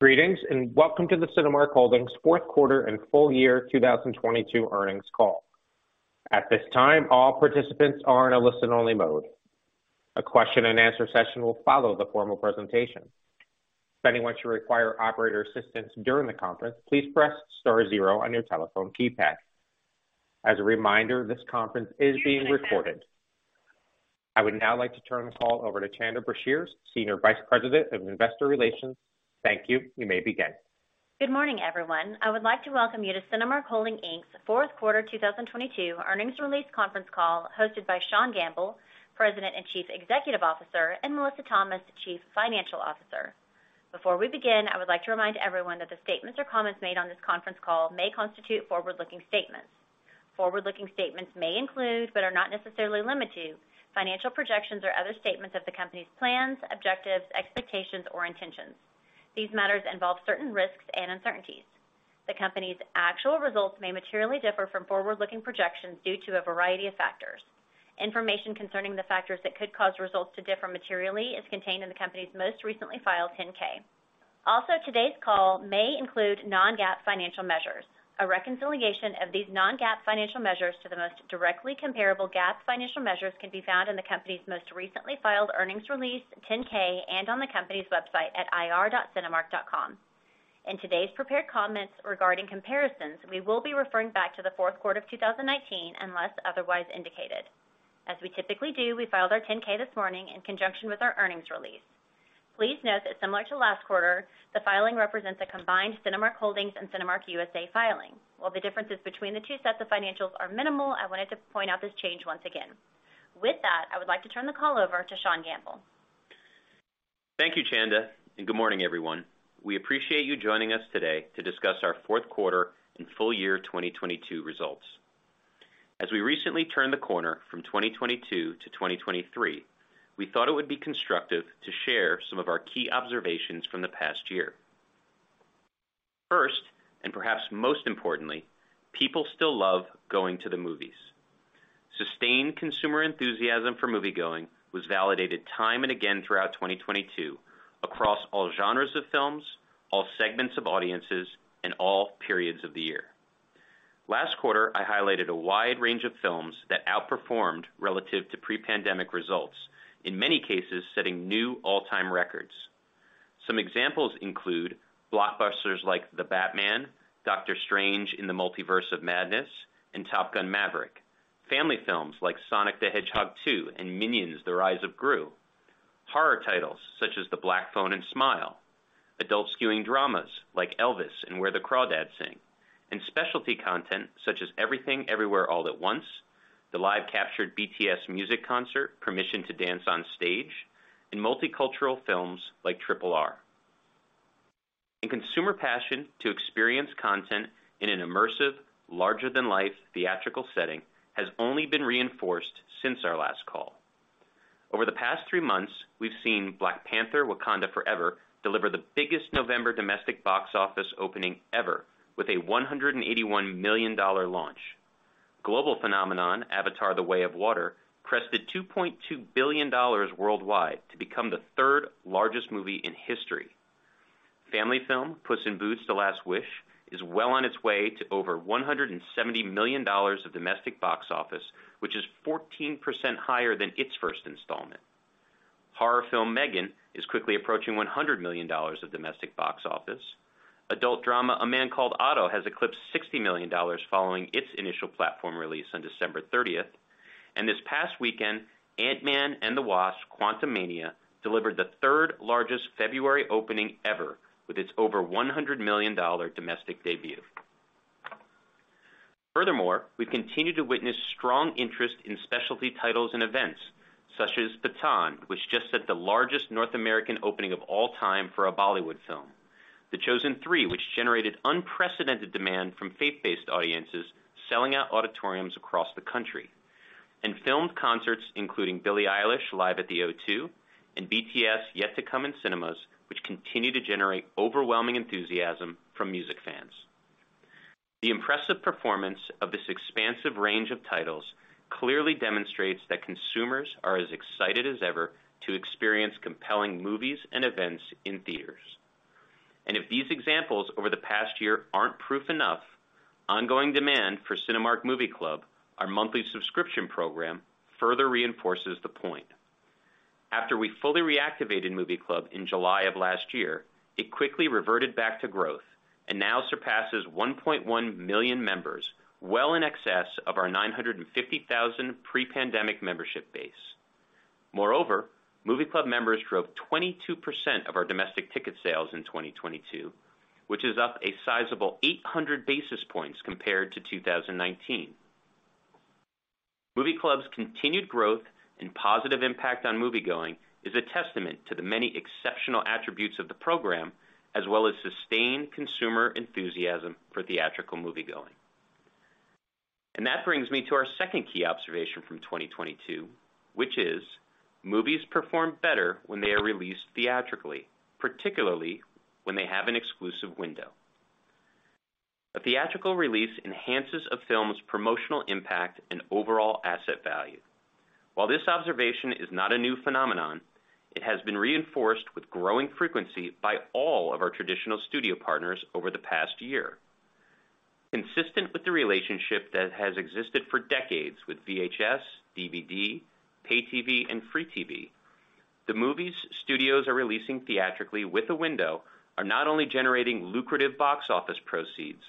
Greetings, welcome to the Cinemark Holdings Fourth Quarter and Full Year 2022 Earnings Call. At this time, all participants are in a listen-only mode. A question-and-answer session will follow the formal presentation. If anyone should require operator assistance during the conference, please press star zero on your telephone keypad. As a reminder, this conference is being recorded. I would now like to turn the call over to Chanda Brashears, Senior Vice President of Investor Relations. Thank you. You may begin. Good morning, everyone. I would like to welcome you to Cinemark Holdings, Inc.'s Fourth Quarter 2022 Earnings Release Conference Call hosted by Sean Gamble, President and Chief Executive Officer, and Melissa Thomas, Chief Financial Officer. Before we begin, I would like to remind everyone that the statements or comments made on this conference call may constitute forward-looking statements. Forward-looking statements may include, but are not necessarily limited to, financial projections or other statements of the company's plans, objectives, expectations or intentions. These matters involve certain risks and uncertainties. The company's actual results may materially differ from forward-looking projections due to a variety of factors. Information concerning the factors that could cause results to differ materially is contained in the company's most recently filed 10-K. Also, today's call may include non-GAAP financial measures. A reconciliation of these non-GAAP financial measures to the most directly comparable GAAP financial measures can be found in the company's most recently filed earnings release, 10-K, and on the company's website at ir.cinemark.com. In today's prepared comments regarding comparisons, we will be referring back to the fourth quarter of 2019, unless otherwise indicated. As we typically do, we filed our 10-K this morning in conjunction with our earnings release. Please note that similar to last quarter, the filing represents a combined Cinemark Holdings and Cinemark USA filing. While the differences between the two sets of financials are minimal, I wanted to point out this change once again. With that, I would like to turn the call over to Sean Gamble. Thank you, Chanda. Good morning, everyone. We appreciate you joining us today to discuss our fourth quarter and full year 2022 results. As we recently turned the corner from 2022 to 2023, we thought it would be constructive to share some of our key observations from the past year. First, perhaps most importantly, people still love going to the movies. Sustained consumer enthusiasm for moviegoing was validated time and again throughout 2022 across all genres of films, all segments of audiences, and all periods of the year. Last quarter, I highlighted a wide range of films that outperformed relative to pre-pandemic results, in many cases, setting new all-time records. Some examples include blockbusters like The Batman, Doctor Strange in the Multiverse of Madness, and Top Gun: Maverick. Family films like Sonic the Hedgehog 2 and Minions: The Rise of Gru. Horror titles such as The Black Phone and Smile. Adult-skewing dramas like Elvis and Where the Crawdads Sing. Specialty content such as Everything Everywhere All at Once, the live-captured BTS music concert, Permission to Dance on Stage, and multicultural films like RRR. Consumer passion to experience content in an immersive, larger-than-life theatrical setting has only been reinforced since our last call. Over the past three months, we've seen Black Panther: Wakanda Forever deliver the biggest November domestic box office opening ever with a $181 million launch. Global phenomenon Avatar: The Way of Water crested $2.2 billion worldwide to become the third-largest movie in history. Family film Puss in Boots: The Last Wish is well on its way to over $170 million of domestic box office, which is 14% higher than its first installment. Horror film M3GAN is quickly approaching $100 million of domestic box office. Adult drama A Man Called Otto has eclipsed $60 million following its initial platform release on December 30th. This past weekend, Ant-Man and The Wasp: Quantumania delivered the third-largest February opening ever with its over $100 million domestic debut. We continue to witness strong interest in specialty titles and events such as Pathaan, which just set the largest North American opening of all time for a Bollywood film. The Chosen 3, which generated unprecedented demand from faith-based audiences, selling out auditoriums across the country. Filmed concerts including Billie Eilish Live at the O2 and BTS: Yet to Come in Cinemas, which continue to generate overwhelming enthusiasm from music fans. The impressive performance of this expansive range of titles clearly demonstrates that consumers are as excited as ever to experience compelling movies and events in theaters. If these examples over the past year aren't proof enough, ongoing demand for Cinemark Movie Club, our monthly subscription program, further reinforces the point. After we fully reactivated Movie Club in July of last year, it quickly reverted back to growth and now surpasses 1.1 million members, well in excess of our 950,000 pre-pandemic membership base. Movie Club members drove 22% of our domestic ticket sales in 2022, which is up a sizable 800 basis points compared to 2019. Movie Club's continued growth and positive impact on moviegoing is a testament to the many exceptional attributes of the program, as well as sustained consumer enthusiasm for theatrical moviegoing. That brings me to our second key observation from 2022, which is movies perform better when they are released theatrically, particularly when they have an exclusive window. A theatrical release enhances a film's promotional impact and overall asset value. While this observation is not a new phenomenon, it has been reinforced with growing frequency by all of our traditional studio partners over the past year. Consistent with the relationship that has existed for decades with VHS, DVD, pay TV, and free TV, the movies studios are releasing theatrically with a window are not only generating lucrative box office proceeds,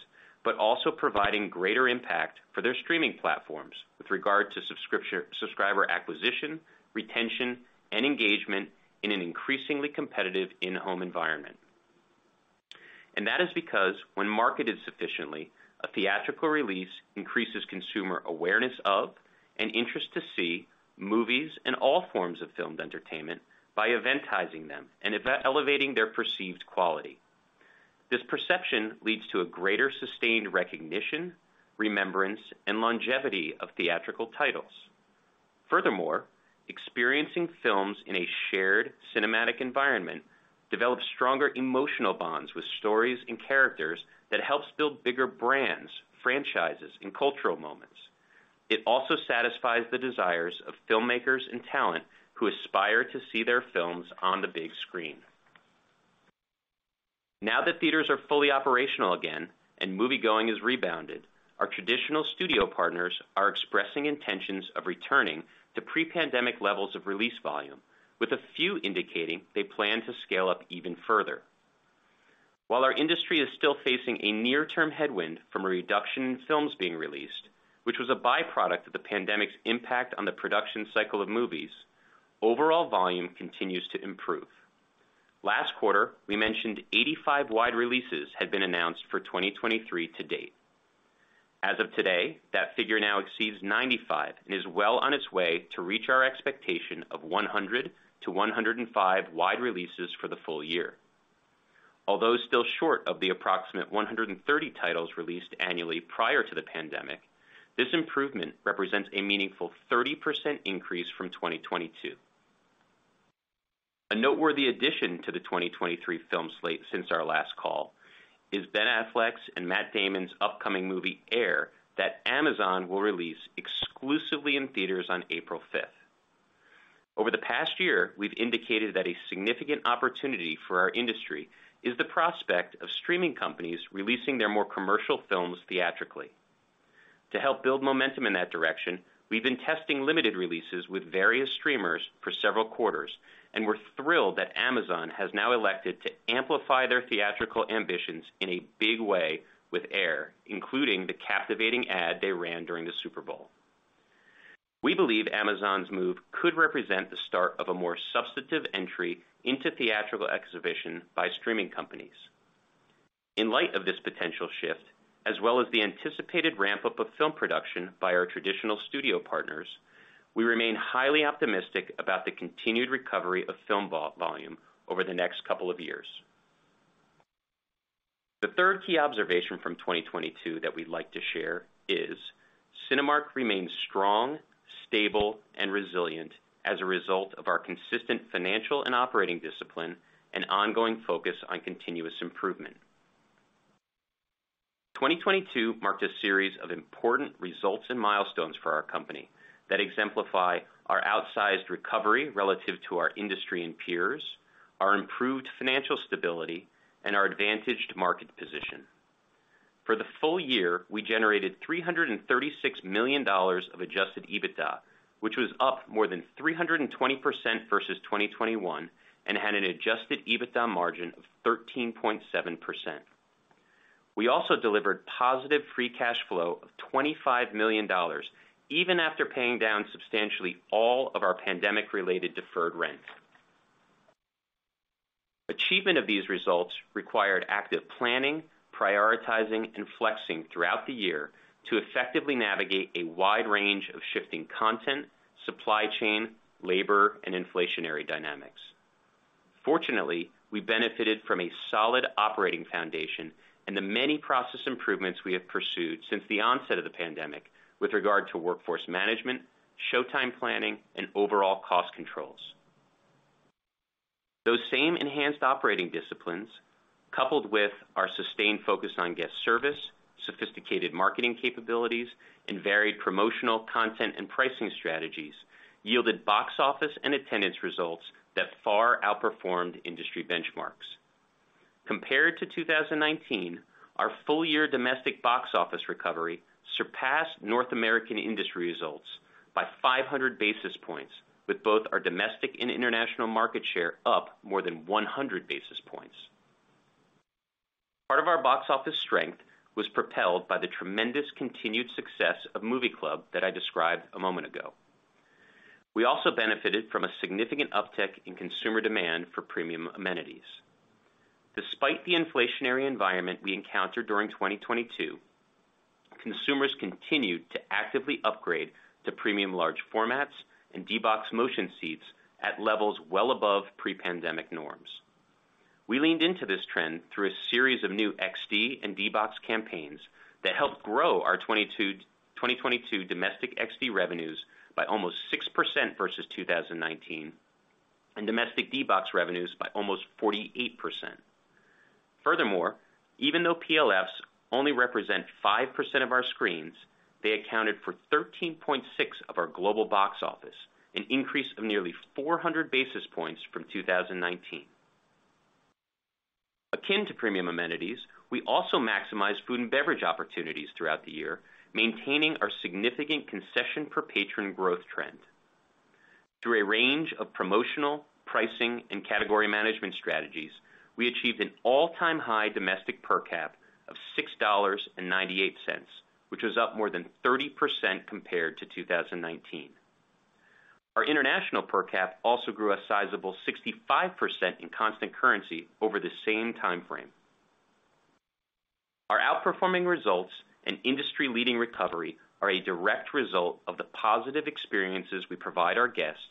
but also providing greater impact for their streaming platforms with regard to subscriber acquisition, retention, and engagement in an increasingly competitive in-home environment. That is because when marketed sufficiently, a theatrical release increases consumer awareness of and interest to see movies and all forms of filmed entertainment by eventizing them and elevating their perceived quality. This perception leads to a greater sustained recognition, remembrance, and longevity of theatrical titles. Furthermore, experiencing films in a shared cinematic environment develops stronger emotional bonds with stories and characters that helps build bigger brands, franchises, and cultural moments. It also satisfies the desires of filmmakers and talent who aspire to see their films on the big screen. Now that theaters are fully operational again and moviegoing has rebounded, our traditional studio partners are expressing intentions of returning to pre-pandemic levels of release volume, with a few indicating they plan to scale up even further. While our industry is still facing a near-term headwind from a reduction in films being released, which was a byproduct of the pandemic's impact on the production cycle of movies, overall volume continues to improve. Last quarter, we mentioned 85 wide releases had been announced for 2023 to date. As of today, that figure now exceeds 95 and is well on its way to reach our expectation of 100-105 wide releases for the full year. Although still short of the approximate 130 titles released annually prior to the pandemic, this improvement represents a meaningful 30% increase from 2022. A noteworthy addition to the 2023 film slate since our last call is Ben Affleck's and Matt Damon's upcoming movie, Air, that Amazon will release exclusively in theaters on April 5th. Over the past year, we've indicated that a significant opportunity for our industry is the prospect of streaming companies releasing their more commercial films theatrically. To help build momentum in that direction, we've been testing limited releases with various streamers for several quarters, and we're thrilled that Amazon has now elected to amplify their theatrical ambitions in a big way with Air, including the captivating ad they ran during the Super Bowl. We believe Amazon's move could represent the start of a more substantive entry into theatrical exhibition by streaming companies. In light of this potential shift, as well as the anticipated ramp-up of film production by our traditional studio partners, we remain highly optimistic about the continued recovery of film volume over the next couple of years. The third key observation from 2022 that we'd like to share is Cinemark remains strong, stable, and resilient as a result of our consistent financial and operating discipline and ongoing focus on continuous improvement. 2022 marked a series of important results and milestones for our company that exemplify our outsized recovery relative to our industry and peers, our improved financial stability, and our advantaged market position. For the full year, we generated $336 million of Adjusted EBITDA, which was up more than 320% versus 2021 and had an Adjusted EBITDA margin of 13.7%. We also delivered positive free cash flow of $25 million, even after paying down substantially all of our pandemic-related deferred rent. Achievement of these results required active planning, prioritizing, and flexing throughout the year to effectively navigate a wide range of shifting content, supply chain, labor, and inflationary dynamics. Fortunately, we benefited from a solid operating foundation and the many process improvements we have pursued since the onset of the pandemic with regard to workforce management, showtime planning, and overall cost controls. Those same enhanced operating disciplines, coupled with our sustained focus on guest service, sophisticated marketing capabilities, and varied promotional content and pricing strategies, yielded box office and attendance results that far outperformed industry benchmarks. Compared to 2019, our full-year domestic box office recovery surpassed North American industry results by 500 basis points, with both our domestic and international market share up more than 100 basis points. Part of our box office strength was propelled by the tremendous continued success of Movie Club that I described a moment ago. We also benefited from a significant uptick in consumer demand for premium amenities. Despite the inflationary environment we encountered during 2022, consumers continued to actively upgrade to premium large formats and D-BOX motion seats at levels well above pre-pandemic norms. We leaned into this trend through a series of new XD and D-BOX campaigns that helped grow our 2022 domestic XD revenues by almost 6% versus 2019. Domestic D-BOX revenues by almost 48%. Furthermore, even though PLFs only represent 5% of our screens, they accounted for 13.6% of our global box office, an increase of nearly 400 basis points from 2019. Akin to premium amenities, we also maximize food and beverage opportunities throughout the year, maintaining our significant concession per patron growth trend. Through a range of promotional, pricing, and category management strategies, we achieved an all-time high domestic per cap of $6.98, which was up more than 30% compared to 2019. Our international per cap also grew a sizable 65% in constant currency over the same timeframe. Our outperforming results and industry-leading recovery are a direct result of the positive experiences we provide our guests,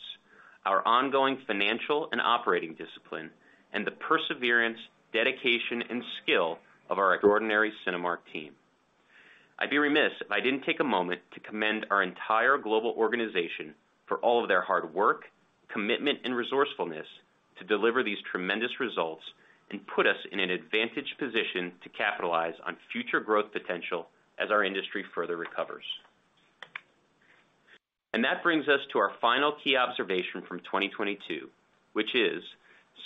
our ongoing financial and operating discipline, and the perseverance, dedication, and skill of our extraordinary Cinemark team. I'd be remiss if I didn't take a moment to commend our entire global organization for all of their hard work, commitment, and resourcefulness to deliver these tremendous results and put us in an advantaged position to capitalize on future growth potential as our industry further recovers. That brings us to our final key observation from 2022, which is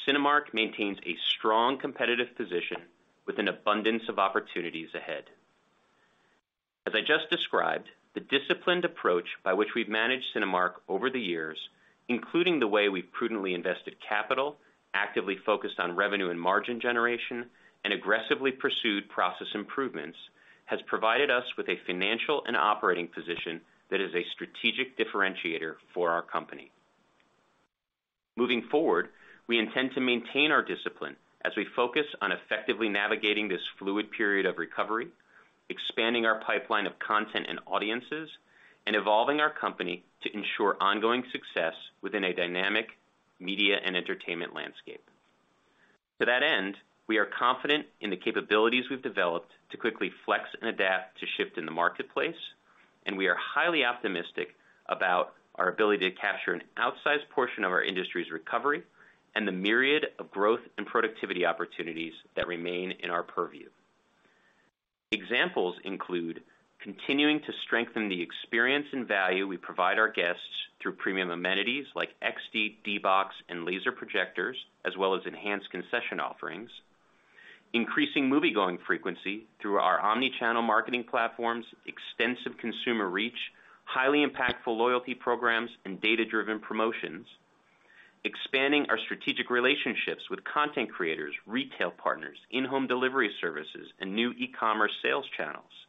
Cinemark maintains a strong competitive position with an abundance of opportunities ahead. As I just described, the disciplined approach by which we've managed Cinemark over the years, including the way we've prudently invested capital, actively focused on revenue and margin generation, and aggressively pursued process improvements, has provided us with a financial and operating position that is a strategic differentiator for our company. Moving forward, we intend to maintain our discipline as we focus on effectively navigating this fluid period of recovery, expanding our pipeline of content and audiences, and evolving our company to ensure ongoing success within a dynamic media and entertainment landscape. To that end, we are confident in the capabilities we've developed to quickly flex and adapt to shift in the marketplace, and we are highly optimistic about our ability to capture an outsized portion of our industry's recovery and the myriad of growth and productivity opportunities that remain in our purview. Examples include continuing to strengthen the experience and value we provide our guests through premium amenities like XD, D-BOX, and laser projectors, as well as enhanced concession offerings. Increasing moviegoing frequency through our omni-channel marketing platforms, extensive consumer reach, highly impactful loyalty programs, and data-driven promotions. Expanding our strategic relationships with content creators, retail partners, in-home delivery services, and new e-commerce sales channels.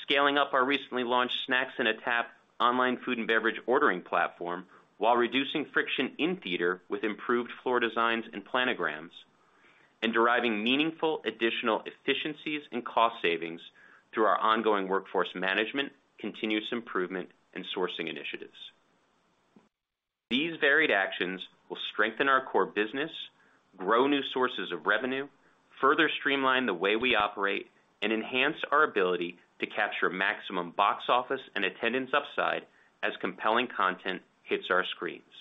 Scaling up our recently launched Snacks in a Tap online food and beverage ordering platform, while reducing friction in theater with improved floor designs and planograms. Deriving meaningful additional efficiencies and cost savings through our ongoing workforce management, continuous improvement, and sourcing initiatives. These varied actions will strengthen our core business, grow new sources of revenue, further streamline the way we operate, and enhance our ability to capture maximum box office and attendance upside as compelling content hits our screens.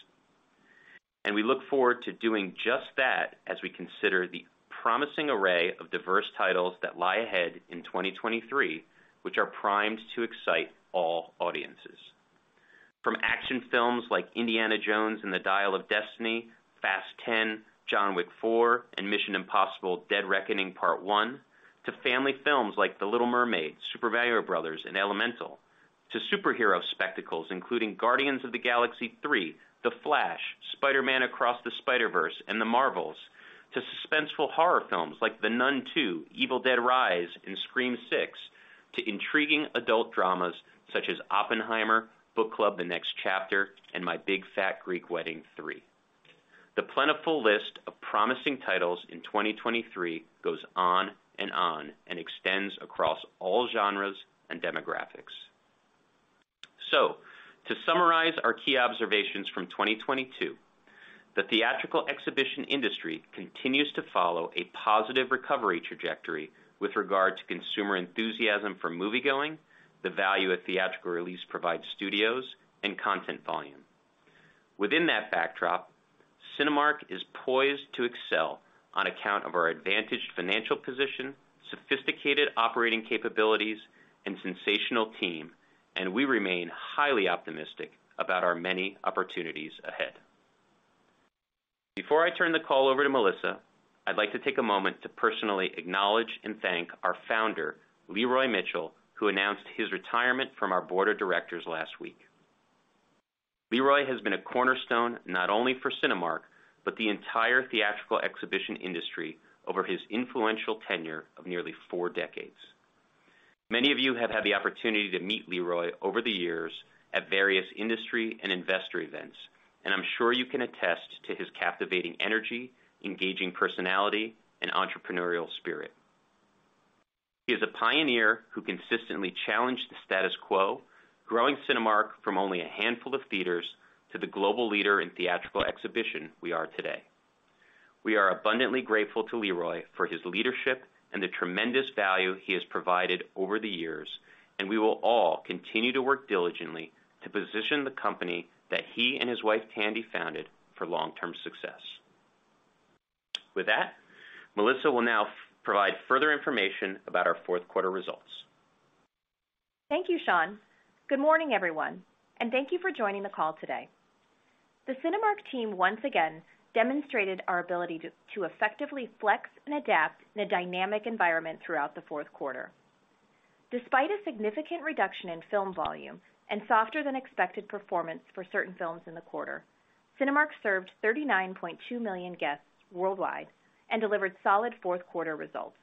We look forward to doing just that as we consider the promising array of diverse titles that lie ahead in 2023, which are primed to excite all audiences. From action films like Indiana Jones and the Dial of Destiny, Fast X, John Wick: Chapter 4, and Mission: Impossible – Dead Reckoning Part One, to family films like The Little Mermaid, The Super Mario Bros. Movie, and Elemental, to superhero spectacles, including Guardians of the Galaxy Vol. 3, The Flash, Spider-Man: Across the Spider-Verse, and The Marvels, to suspenseful horror films like The Nun II, Evil Dead Rise, and Scream VI, to intriguing adult dramas such as Oppenheimer, Book Club: The Next Chapter, and My Big Fat Greek Wedding 3. The plentiful list of promising titles in 2023 goes on and on and extends across all genres and demographics. To summarize our key observations from 2022, the theatrical exhibition industry continues to follow a positive recovery trajectory with regard to consumer enthusiasm for moviegoing, the value a theatrical release provides studios, and content volume. Within that backdrop, Cinemark is poised to excel on account of our advantaged financial position, sophisticated operating capabilities, and sensational team, and we remain highly optimistic about our many opportunities ahead. Before I turn the call over to Melissa, I'd like to take a moment to personally acknowledge and thank our Founder, Lee Roy Mitchell, who announced his retirement from our Board of Directors last week. Lee Roy has been a cornerstone not only for Cinemark, but the entire theatrical exhibition industry over his influential tenure of nearly four decades. Many of you have had the opportunity to meet Lee Roy over the years at various industry and investor events, and I'm sure you can attest to his captivating energy, engaging personality, and entrepreneurial spirit. He is a pioneer who consistently challenged the status quo, growing Cinemark from only a handful of theaters to the global leader in theatrical exhibition we are today. We are abundantly grateful to Lee Roy for his leadership and the tremendous value he has provided over the years. We will all continue to work diligently to position the company that he and his wife, Candy, founded for long-term success. With that, Melissa will now provide further information about our fourth quarter results. Thank you, Sean. Good morning, everyone, thank you for joining the call today. The Cinemark team once again demonstrated our ability to effectively flex and adapt in a dynamic environment throughout the fourth quarter. Despite a significant reduction in film volume and softer than expected performance for certain films in the quarter, Cinemark served 39.2 million guests worldwide and delivered solid fourth quarter results.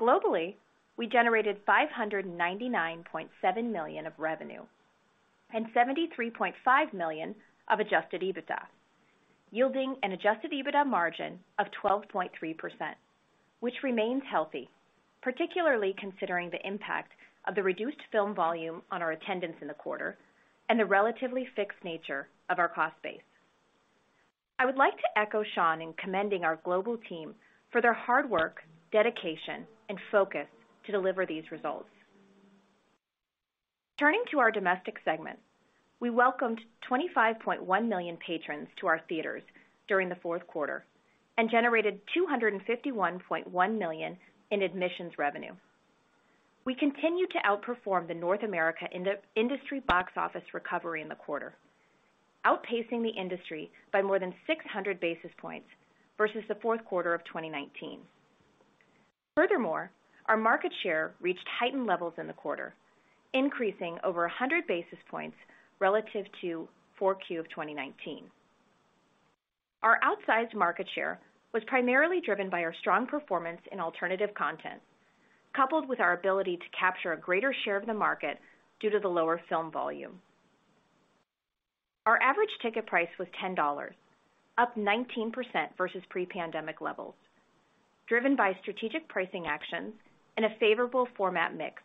Globally, we generated $599.7 million of revenue and $73.5 million of Adjusted EBITDA, yielding an Adjusted EBITDA margin of 12.3%, which remains healthy, particularly considering the impact of the reduced film volume on our attendance in the quarter and the relatively fixed nature of our cost base. I would like to echo Sean in commending our global team for their hard work, dedication, and focus to deliver these results. Turning to our domestic segment, we welcomed 25.1 million patrons to our theaters during the fourth quarter and generated $251.1 million in admissions revenue. We continue to outperform the North America in the industry box office recovery in the quarter, outpacing the industry by more than 600 basis points versus the fourth quarter of 2019. Furthermore, our market share reached heightened levels in the quarter, increasing over 100 basis points relative to 4Q of 2019. Our outsized market share was primarily driven by our strong performance in alternative content, coupled with our ability to capture a greater share of the market due to the lower film volume. Our average ticket price was $10, up 19% versus pre-pandemic levels, driven by strategic pricing actions and a favorable format mix,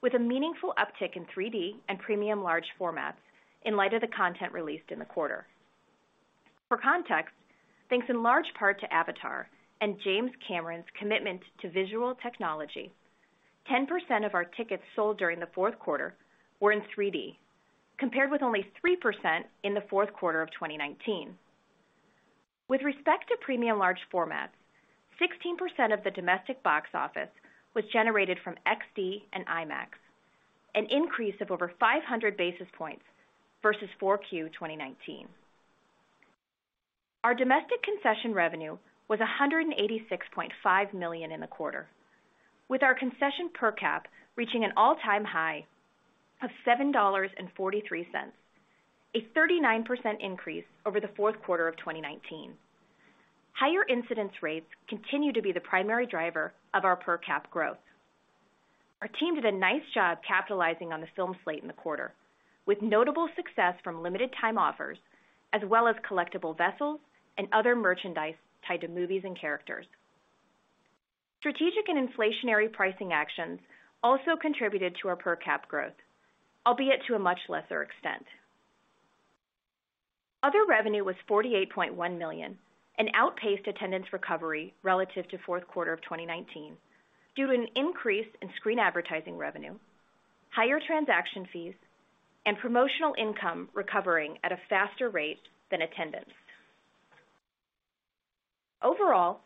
with a meaningful uptick in 3D and premium large formats in light of the content released in the quarter. For context, thanks in large part to Avatar and James Cameron's commitment to visual technology, 10% of our tickets sold during the fourth quarter were in 3D, compared with only 3% in the fourth quarter of 2019. With respect to premium large formats, 16% of the domestic box office was generated from XD and IMAX, an increase of over 500 basis points versus 4Q 2019. Our domestic concession revenue was $186.5 million in the quarter, with our concession per cap reaching an all-time high of $7.43, a 39% increase over the fourth quarter of 2019. Higher incidence rates continue to be the primary driver of our per cap growth. Our team did a nice job capitalizing on the film slate in the quarter, with notable success from limited time offers as well as collectible vessels and other merchandise tied to movies and characters. Strategic and inflationary pricing actions also contributed to our per cap growth, albeit to a much lesser extent. Other revenue was $48.1 million and outpaced attendance recovery relative to fourth quarter of 2019 due to an increase in screen advertising revenue, higher transaction fees, and promotional income recovering at a faster rate than attendance. Overall,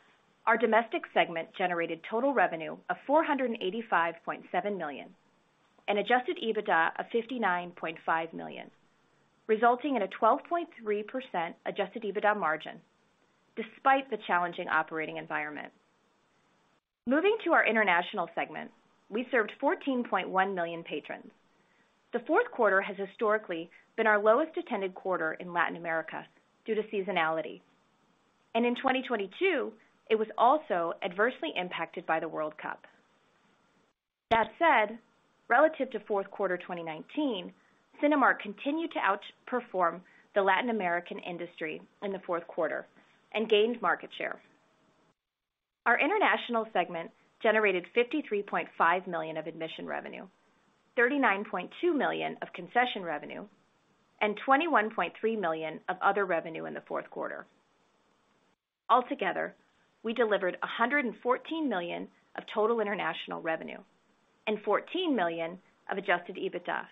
our domestic segment generated total revenue of $485.7 million and Adjusted EBITDA of $59.5 million, resulting in a 12.3% Adjusted EBITDA margin despite the challenging operating environment. Moving to our international segment, we served 14.1 million patrons. The fourth quarter has historically been our lowest attended quarter in Latin America due to seasonality. In 2022, it was also adversely impacted by the World Cup. That said, relative to fourth quarter 2019, Cinemark continued to outperform the Latin American industry in the fourth quarter and gained market share. Our international segment generated $53.5 million of admission revenue, $39.2 million of concession revenue, and $21.3 million of other revenue in the fourth quarter. Altogether, we delivered $114 million of total international revenue and $14 million of Adjusted EBITDA,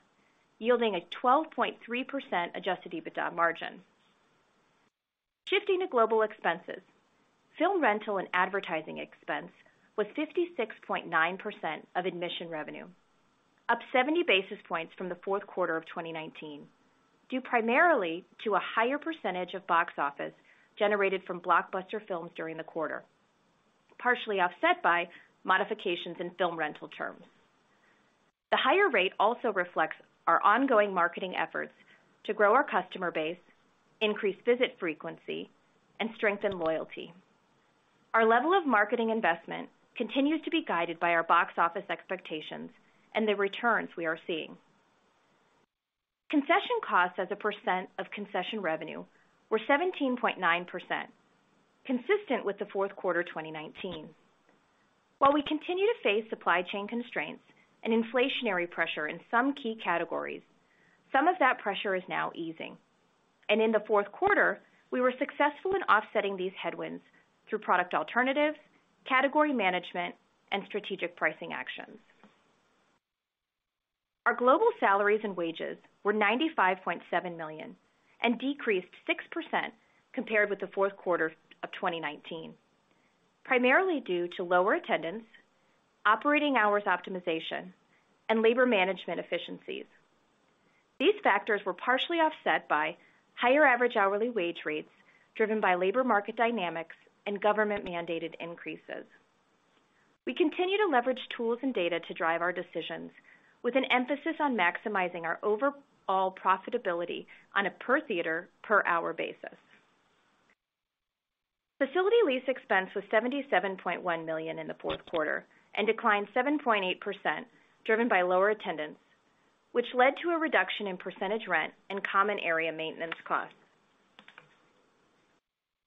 yielding a 12.3% Adjusted EBITDA margin. Shifting to global expenses, film rental and advertising expense was 56.9% of admission revenue, up 70 basis points from the fourth quarter of 2019, due primarily to a higher percentage of box office generated from blockbuster films during the quarter, partially offset by modifications in film rental terms. The higher rate also reflects our ongoing marketing efforts to grow our customer base, increase visit frequency, and strengthen loyalty. Our level of marketing investment continues to be guided by our box office expectations and the returns we are seeing. Concession costs as a percent of concession revenue were 17.9%, consistent with the fourth quarter 2019. While we continue to face supply chain constraints and inflationary pressure in some key categories, some of that pressure is now easing. In the fourth quarter, we were successful in offsetting these headwinds through product alternatives, category management, and strategic pricing actions. Our global salaries and wages were $95.7 million and decreased 6% compared with the fourth quarter of 2019, primarily due to lower attendance, operating hours optimization, and labor management efficiencies. These factors were partially offset by higher average hourly wage rates driven by labor market dynamics and government-mandated increases. We continue to leverage tools and data to drive our decisions with an emphasis on maximizing our overall profitability on a per theater, per hour basis. Facility lease expense was $77.1 million in the fourth quarter and declined 7.8% driven by lower attendance, which led to a reduction in percentage rent and common area maintenance costs.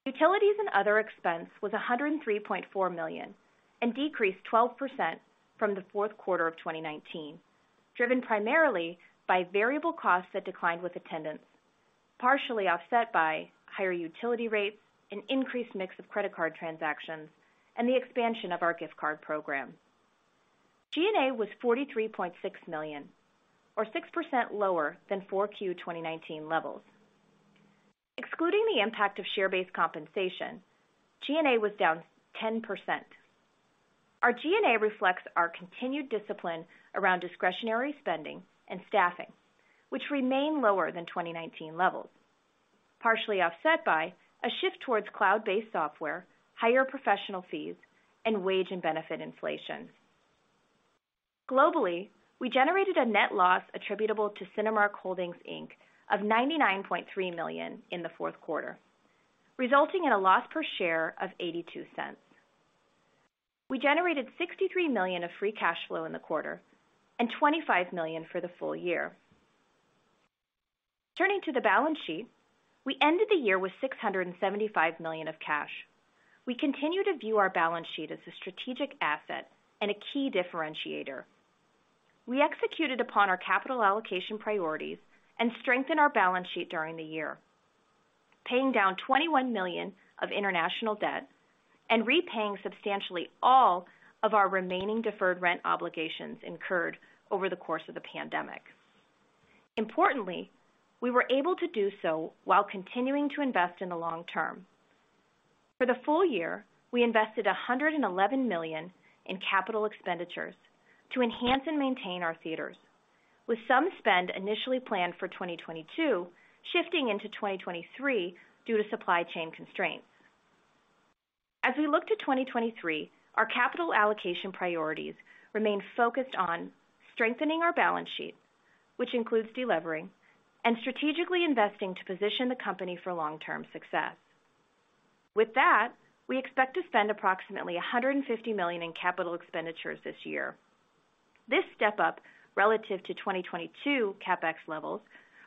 Utilities and other expense was $103.4 million and decreased 12% from the fourth quarter of 2019, driven primarily by variable costs that declined with attendance, partially offset by higher utility rates and increased mix of credit card transactions and the expansion of our gift card program. G&A was $43.6 million or 6% lower than 4Q 2019 levels. Excluding the impact of share-based compensation, G&A was down 10%. Our G&A reflects our continued discipline around discretionary spending and staffing, which remain lower than 2019 levels, partially offset by a shift towards cloud-based software, higher professional fees, and wage and benefit inflation. Globally, we generated a net loss attributable to Cinemark Holdings, Inc. of $99.3 million in the fourth quarter, resulting in a loss per share of $0.82. We generated $63 million of free cash flow in the quarter and $25 million for the full year. Turning to the balance sheet. We ended the year with $675 million of cash. We continue to view our balance sheet as a strategic asset and a key differentiator. We executed upon our capital allocation priorities and strengthened our balance sheet during the year, paying down $21 million of international debt and repaying substantially all of our remaining deferred rent obligations incurred over the course of the pandemic. Importantly, we were able to do so while continuing to invest in the long term. For the full year, we invested $111 million in capital expenditures to enhance and maintain our theaters, with some spend initially planned for 2022 shifting into 2023 due to supply chain constraints. As we look to 2023, our capital allocation priorities remain focused on strengthening our balance sheet, which includes delevering and strategically investing to position the company for long-term success. With that, we expect to spend approximately $150 million in capital expenditures this year. This step-up relative to 2022 CapEx levels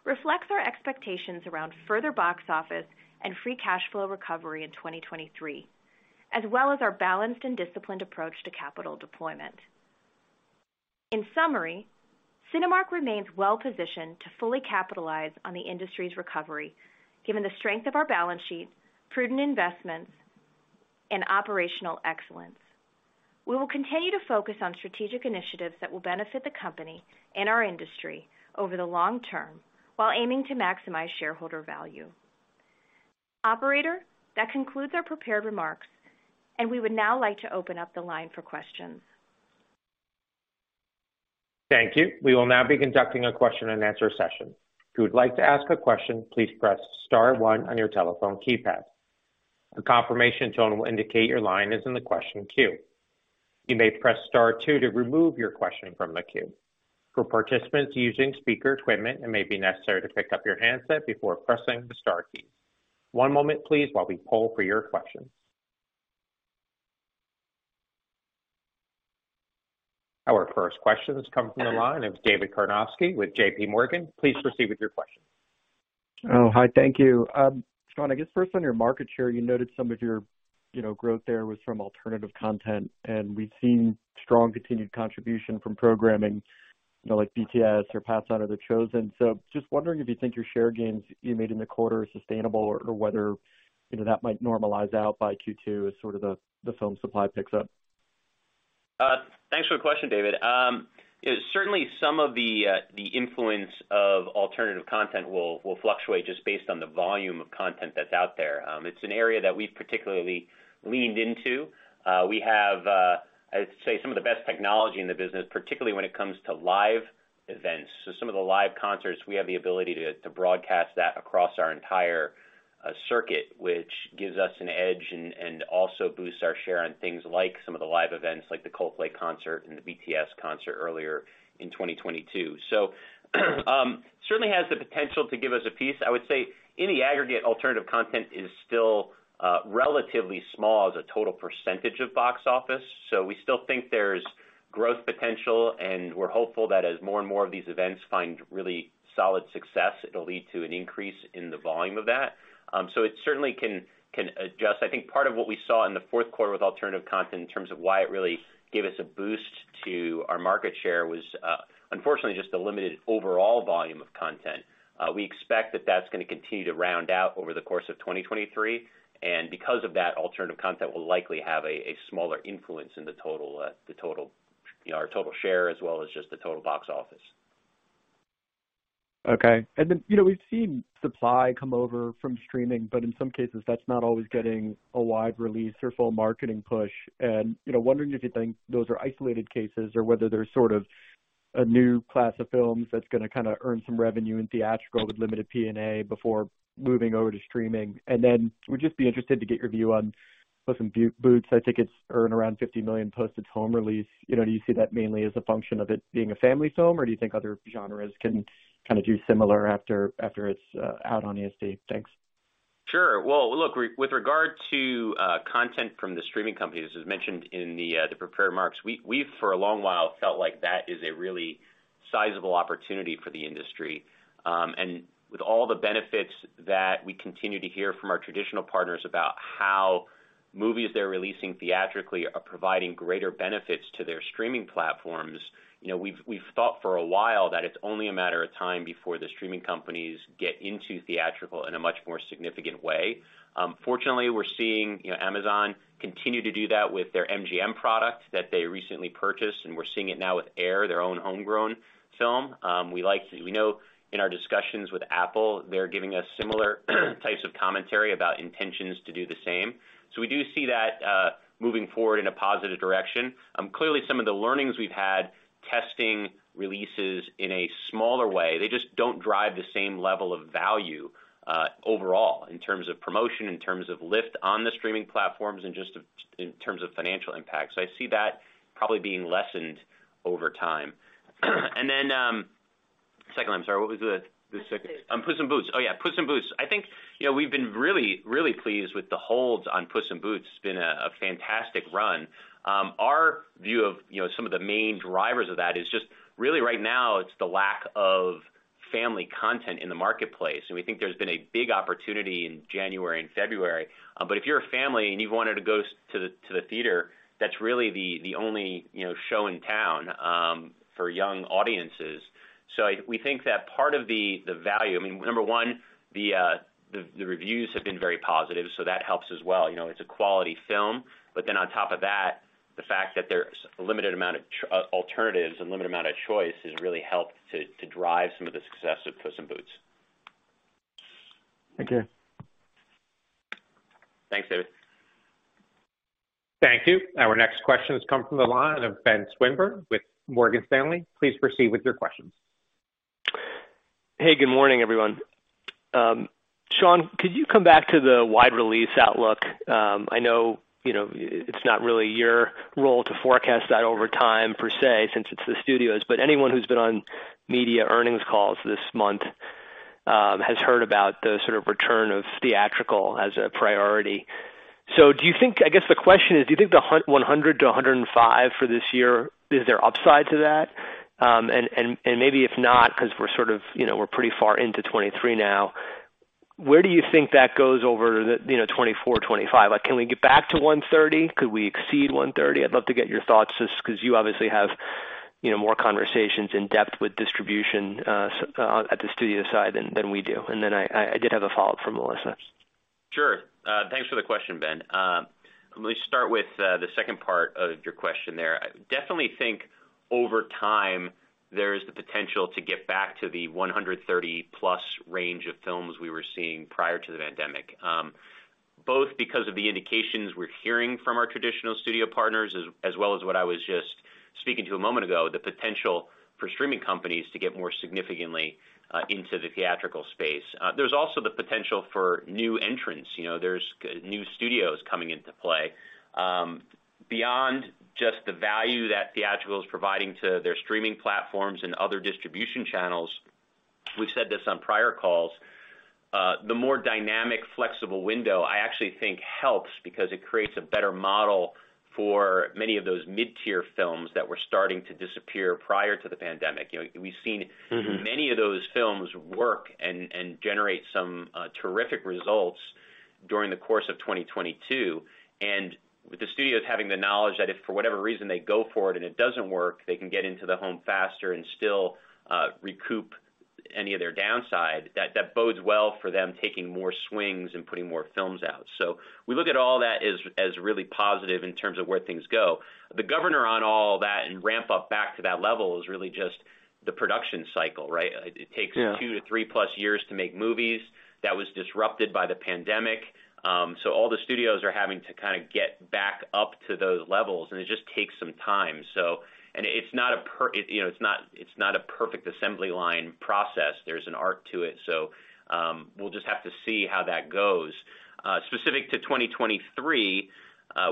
reflects our expectations around further box office and free cash flow recovery in 2023, as well as our balanced and disciplined approach to capital deployment. In summary, Cinemark remains well-positioned to fully capitalize on the industry's recovery given the strength of our balance sheet, prudent investments, and operational excellence. We will continue to focus on strategic initiatives that will benefit the company and our industry over the long term while aiming to maximize shareholder value. Operator, that concludes our prepared remarks, and we would now like to open up the line for questions. Thank you. We will now be conducting a question-and-answer session. If you would like to ask a question, please press star one on your telephone keypad. A confirmation tone will indicate your line is in the question queue. You may press Star two to remove your question from the queue. For participants using speaker equipment, it may be necessary to pick up your handset before pressing the star key. One moment please while we poll for your questions. Our first question has come from the line of David Karnovsky with JPMorgan. Please proceed with your question. Hi, thank you. Sean, I guess first on your market share, you noted some of your, you know, growth there was from alternative content, and we've seen strong continued contribution from programming, you know, like BTS or Pathaan or The Chosen. Just wondering if you think your share gains you made in the quarter are sustainable or whether, you know, that might normalize out by Q2 as sort of the film supply picks up? Thanks for the question, David. Certainly some of the influence of alternative content will fluctuate just based on the volume of content that's out there. It's an area that we've particularly leaned into. We have, I'd say some of the best technology in the business, particularly when it comes to live events. Some of the live concerts, we have the ability to broadcast that across our entire circuit, which gives us an edge and also boosts our share on things like some of the live events like the Coldplay concert and the BTS concert earlier in 2022. Certainly has the potential to give us a piece. I would say any aggregate alternative content is still relatively small as a total percentage of box office. We still think there's Growth potential, we're hopeful that as more and more of these events find really solid success, it'll lead to an increase in the volume of that. It certainly can adjust. I think part of what we saw in the fourth quarter with alternative content in terms of why it really gave us a boost to our market share was, unfortunately, just a limited overall volume of content. We expect that that's gonna continue to round out over the course of 2023, and because of that, alternative content will likely have a smaller influence in the total, the total, you know, our total share, as well as just the total box office. Okay. You know, we've seen supply come over from streaming, but in some cases that's not always getting a wide release or full marketing push. You know, wondering if you think those are isolated cases or whether they're sort of a new class of films that's gonna kinda earn some revenue in theatrical with limited P&A before moving over to streaming. Would just be interested to get your view on Puss in Boots. I think it's earned around $50 million post its home release. You know, do you see that mainly as a function of it being a family film, or do you think other genres can kind of do similar after it's out on EST? Thanks. Sure. Well, look, with regard to content from the streaming companies, as mentioned in the prepared marks, we've for a long while felt like that is a really sizable opportunity for the industry. With all the benefits that we continue to hear from our traditional partners about how movies they're releasing theatrically are providing greater benefits to their streaming platforms. You know, we've thought for a while that it's only a matter of time before the streaming companies get into theatrical in a much more significant way. Fortunately, we're seeing, you know, Amazon continue to do that with their MGM product that they recently purchased, and we're seeing it now with Air, their own homegrown film. We know in our discussions with Apple, they're giving us similar types of commentary about intentions to do the same. We do see that moving forward in a positive direction. Clearly some of the learnings we've had, testing releases in a smaller way, they just don't drive the same level of value overall in terms of promotion, in terms of lift on the streaming platforms, and just in terms of financial impact. I see that probably being lessened over time. Then, second, I'm sorry, what was the second -- Puss in Boots. Puss in Boots. Puss in Boots. I think, you know, we've been really pleased with the holds on Puss in Boots. It's been a fantastic run. Our view of, you know, some of the main drivers of that is just really right now, it's the lack of family content in the marketplace. We think there's been a big opportunity in January and February. If you're a family and you wanted to go to the theater, that's really the only, you know, show in town for young audiences. We think that part of the value, I mean, number one, the reviews have been very positive, so that helps as well. You know, it's a quality film, on top of that, the fact that there's a limited amount of alternatives and limited amount of choice has really helped to drive some of the success of Puss in Boots. Thank you. Thanks, David. Thank you. Our next question has come from the line of Ben Swinburne with Morgan Stanley. Please proceed with your questions. Good morning, everyone. Sean, could you come back to the wide release outlook? I know, you know, it's not really your role to forecast that over time per se, since it's the studios, anyone who's been on media earnings calls this month has heard about the sort of return of theatrical as a priority. Do you think... I guess the question is, do you think the 100-105 for this year, is there upside to that? Maybe if not, 'cause we're sort of, you know, we're pretty far into 2023 now, where do you think that goes over the, you know, 2024, 2025? Like, can we get back to 130? Could we exceed 130? I'd love to get your thoughts just 'cause you obviously have, you know, more conversations in depth with distribution at the studio side than we do. I did have a follow-up for Melissa. Sure. Thanks for the question, Ben. Let me start with the second part of your question there. I definitely think over time, there is the potential to get back to the 130+ range of films we were seeing prior to the pandemic. Both because of the indications we're hearing from our traditional studio partners as well as what I was just speaking to a moment ago, the potential for streaming companies to get more significantly into the theatrical space. There's also the potential for new entrants. You know, there's new studios coming into play. Beyond just the value that theatrical is providing to their streaming platforms and other distribution channels, we've said this on prior calls, the more dynamic, flexible window I actually think helps because it creates a better model for many of those mid-tier films that were starting to disappear prior to the pandemic. You know, we've seen Mm-hmm. Many of those films work and generate some terrific results during the course of 2022. With the studios having the knowledge that if for whatever reason they go for it and it doesn't work, they can get into the home faster and still recoup any of their downside, that bodes well for them taking more swings and putting more films out. We look at all that as really positive in terms of where things go. The governor on all that and ramp up back to that level is really just the production cycle, right? Yeah. It takes two-three plus years to make movies. That was disrupted by the pandemic. All the studios are having to kinda get back up to those levels, and it just takes some time. So... It, you know, it's not a perfect assembly line process. There's an art to it. We'll just have to see how that goes. Specific to 2023,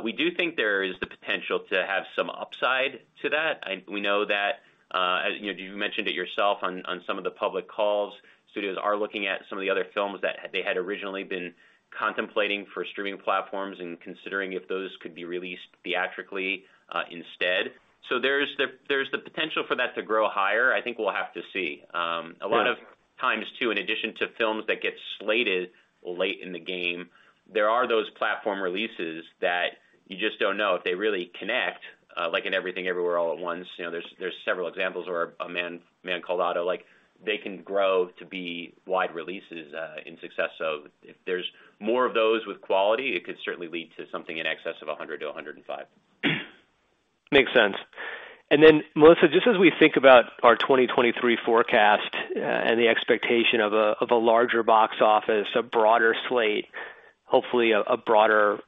we do think there is the potential to have some upside to that. We know that, as, you know, you mentioned it yourself on some of the public calls, studios are looking at some of the other films that they had originally been contemplating for streaming platforms and considering if those could be released theatrically instead. There's the potential for that to grow higher. I think we'll have to see. A lot of times too, in addition to films that get slated late in the game, there are those platform releases that you just don't know if they really connect, like in Everything Everywhere All at Once, you know, there's several examples where A Man Called Otto, like, they can grow to be wide releases in success. If there's more of those with quality, it could certainly lead to something in excess of 100-105. Makes sense. Then, Melissa, just as we think about our 2023 forecast, and the expectation of a, of a larger box office, a broader slate, hopefully a broader,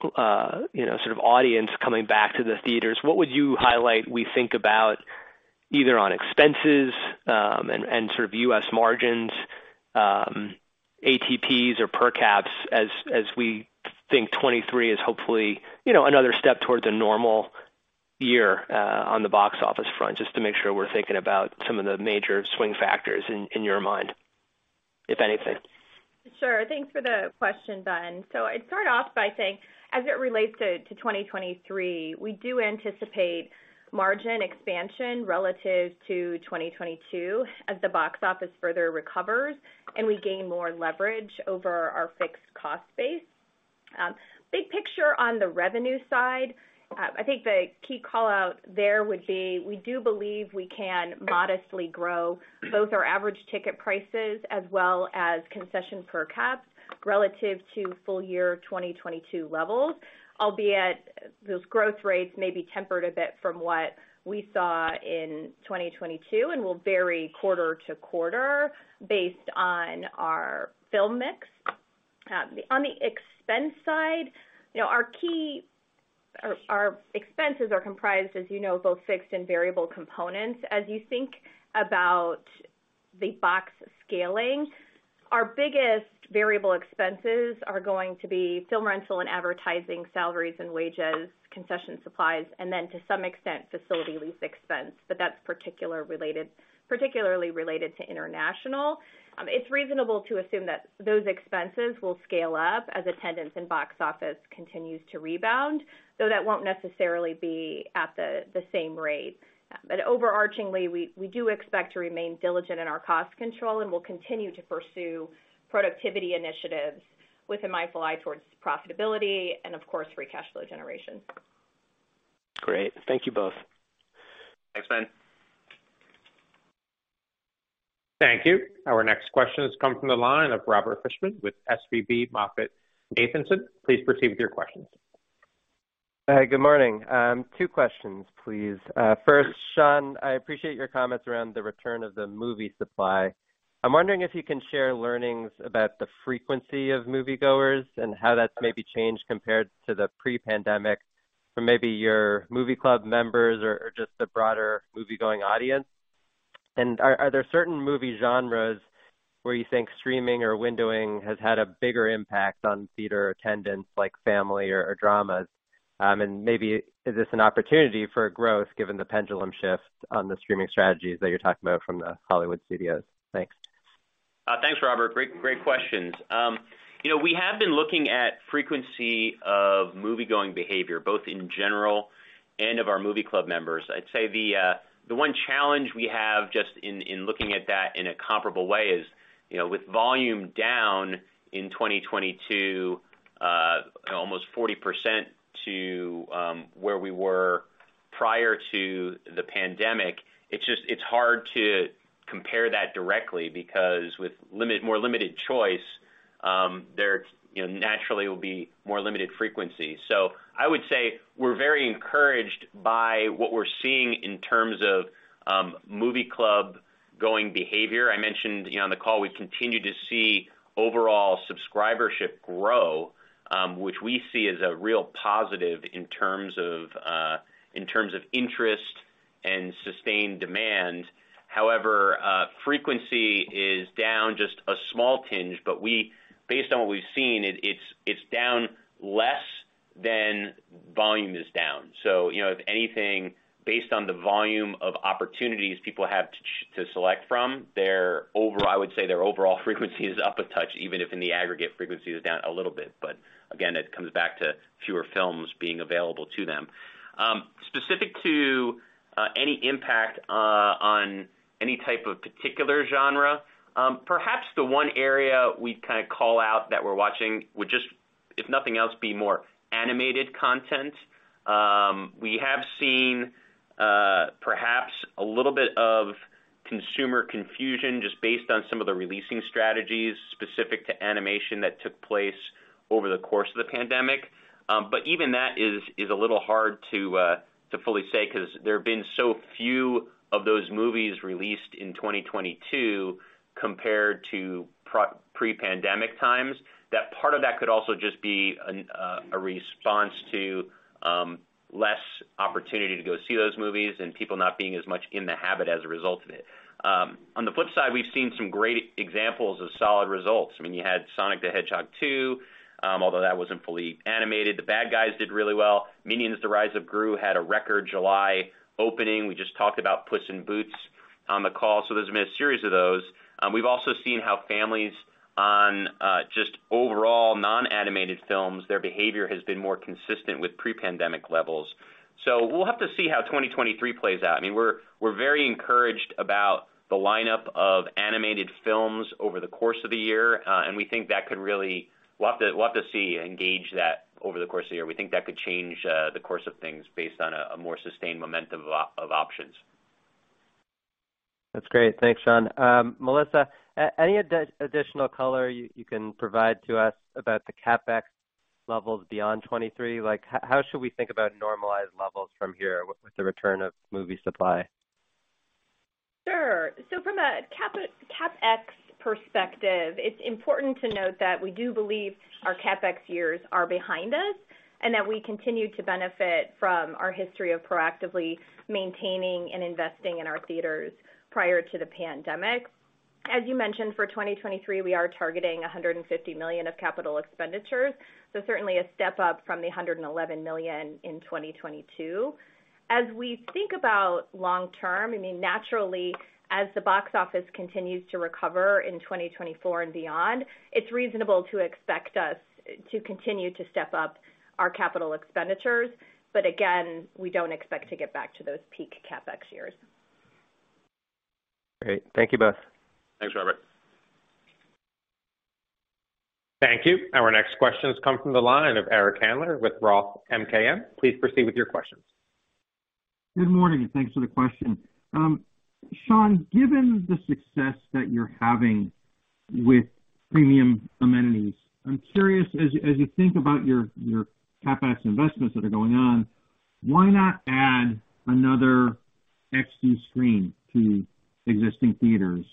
you know, sort of audience coming back to the theaters, what would you highlight we think about either on expenses, and sort of U.S. margins, ATPs or per caps as we think 23 is hopefully, you know, another step toward the normal year, on the box office front, just to make sure we're thinking about some of the major swing factors in your mind, if anything? Thanks for the question, Ben. I'd start off by saying, as it relates to 2023, we do anticipate margin expansion relative to 2022 as the box office further recovers and we gain more leverage over our fixed cost base. Big picture on the revenue side, I think the key call-out there would be, we do believe we can modestly grow both our average ticket prices as well as concession per caps relative to full year 2022 levels, albeit those growth rates may be tempered a bit from what we saw in 2022 and will vary quarter-to-quarter based on our film mix. On the expense side, you know, our expenses are comprised, as you know, of both fixed and variable components. As you think about the box scaling, our biggest variable expenses are going to be film rental and advertising, salaries and wages, concession supplies, and then to some extent, facility lease expense. That's particularly related to international. It's reasonable to assume that those expenses will scale up as attendance in box office continues to rebound, though that won't necessarily be at the same rate. Overarchingly, we do expect to remain diligent in our cost control, and we'll continue to pursue productivity initiatives with a mindful eye towards profitability and of course, free cash flow generation. Great. Thank you both. Thanks, Ben. Thank you. Our next question has come from the line of Robert Fishman with SVB MoffettNathanson. Please proceed with your questions. Good morning. Two questions, please. First, Sean, I appreciate your comments around the return of the movie supply. I'm wondering if you can share learnings about the frequency of moviegoers and how that's maybe changed compared to the pre-pandemic from maybe your Movie Club members or just the broader moviegoing audience. Are there certain movie genres where you think streaming or windowing has had a bigger impact on theater attendance, like family or dramas? Maybe is this an opportunity for growth given the pendulum shift on the streaming strategies that you're talking about from the Hollywood studios? Thanks. Thanks, Robert. Great, great questions. You know, we have been looking at frequency of moviegoing behavior, both in general and of our Movie Club members. I'd say the one challenge we have just in looking at that in a comparable way is, you know, with volume down in 2022, almost 40% to where we were prior to the pandemic, it's just, it's hard to compare that directly because with more limited choice, there, you know, naturally will be more limited frequency. I would say we're very encouraged by what we're seeing in terms of Movie Club going behavior. I mentioned, you know, on the call we continue to see overall subscribership grow, which we see as a real positive in terms of interest and sustained demand. However, frequency is down just a small tinge, but based on what we've seen, it's down less than volume is down. You know, if anything, based on the volume of opportunities people have to select from, their I would say their overall frequency is up a touch, even if in the aggregate frequency is down a little bit. Again, it comes back to fewer films being available to them. Specific to any impact on any type of particular genre, perhaps the one area we kind of call out that we're watching would just, if nothing else, be more animated content. We have seen perhaps a little bit of consumer confusion just based on some of the releasing strategies specific to animation that took place over the course of the pandemic. Even that is a little hard to fully say 'cause there have been so few of those movies released in 2022 compared to pre-pandemic times. That part of that could also just be a response to less opportunity to go see those movies and people not being as much in the habit as a result of it. On the flip side, we've seen some great examples of solid results. I mean, you had Sonic the Hedgehog 2, although that wasn't fully animated. The Bad Guys did really well. Minions: The Rise of Gru had a record July opening. We just talked about Puss in Boots on the call. There's been a series of those. We've also seen how families on just overall non-animated films, their behavior has been more consistent with pre-pandemic levels. We'll have to see how 2023 plays out. I mean, we're very encouraged about the lineup of animated films over the course of the year. We'll have to see, engage that over the course of the year. We think that could change the course of things based on a more sustained momentum of options. That's great. Thanks, Sean. Melissa, any additional color you can provide to us about the CapEx levels beyond 2023? Like, how should we think about normalized levels from here with the return of movie supply? Sure. From a CapEx perspective, it's important to note that we do believe our CapEx years are behind us, and that we continue to benefit from our history of proactively maintaining and investing in our theaters prior to the pandemic. As you mentioned, for 2023, we are targeting $150 million of capital expenditures, certainly a step up from the $111 million in 2022. As we think about long term, I mean, naturally, as the box office continues to recover in 2024 and beyond, it's reasonable to expect us to continue to step up our capital expenditures. Again, we don't expect to get back to those peak CapEx years. Great. Thank you both. Thanks, Robert. Thank you. Our next question has come from the line of Eric Handler with ROTH MKM. Please proceed with your questions. Good morning. Thanks for the question. Sean, given the success that you're having with premium amenities, I'm curious, as you think about your CapEx investments that are going on, why not add another XD screen to existing theaters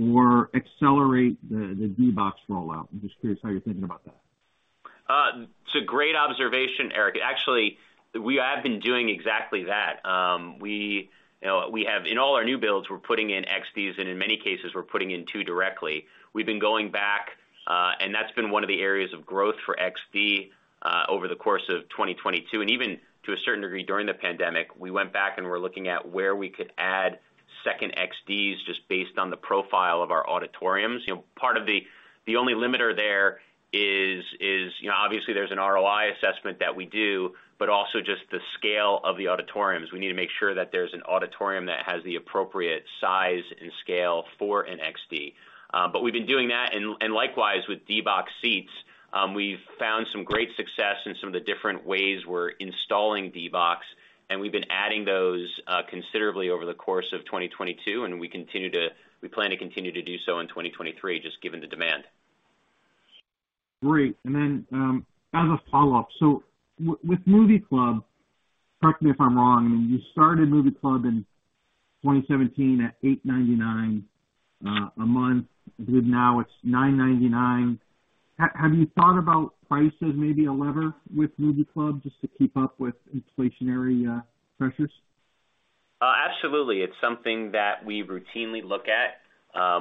or accelerate the D-BOX rollout? I'm just curious how you're thinking about that. It's a great observation, Eric. Actually, we have been doing exactly that. We, you know, in all our new builds, we're putting in XDs, and in many cases, we're putting in two directly. We've been going back, and that's been one of the areas of growth for XD over the course of 2022. Even to a certain degree during the pandemic, we went back and we're looking at where we could add second XDs just based on the profile of our auditoriums. You know, part of the only limiter there is, obviously there's an ROI assessment that we do, but also just the scale of the auditoriums. We need to make sure that there's an auditorium that has the appropriate size and scale for an XD. We've been doing that. Likewise with D-Box seats, we've found some great success in some of the different ways we're installing D-Box, and we've been adding those considerably over the course of 2022, and we plan to continue to do so in 2023, just given the demand. Great. as a follow-up. with Movie Club, correct me if I'm wrong, I mean, you started Movie Club in 2017 at $8.99 a month. I believe now it's $9.99. Have you thought about price as maybe a lever with Movie Club just to keep up with inflationary pressures? Absolutely. It's something that we routinely look at.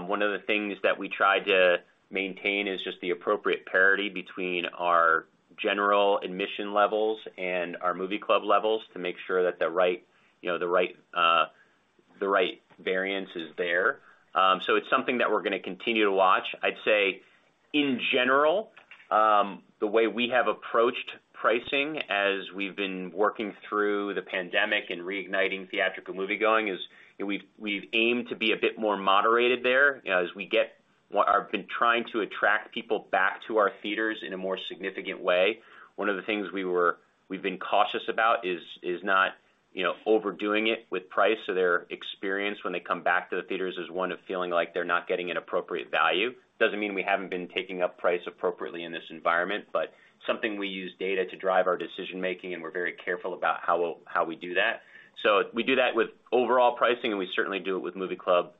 One of the things that we try to maintain is just the appropriate parity between our general admission levels and our Movie Club levels to make sure that the right, you know, the right variance is there. It's something that we're gonna continue to watch. I'd say in general, the way we have approached pricing as we've been working through the pandemic and reigniting theatrical moviegoing is we've aimed to be a bit more moderated there. You know, as we have been trying to attract people back to our theaters in a more significant way, one of the things we've been cautious about is not, you know, overdoing it with price, so their experience when they come back to the theaters is one of feeling like they're not getting an appropriate value. Something we use data to drive our decision-making, and we're very careful about how we do that. We do that with overall pricing, and we certainly do it with Movie Club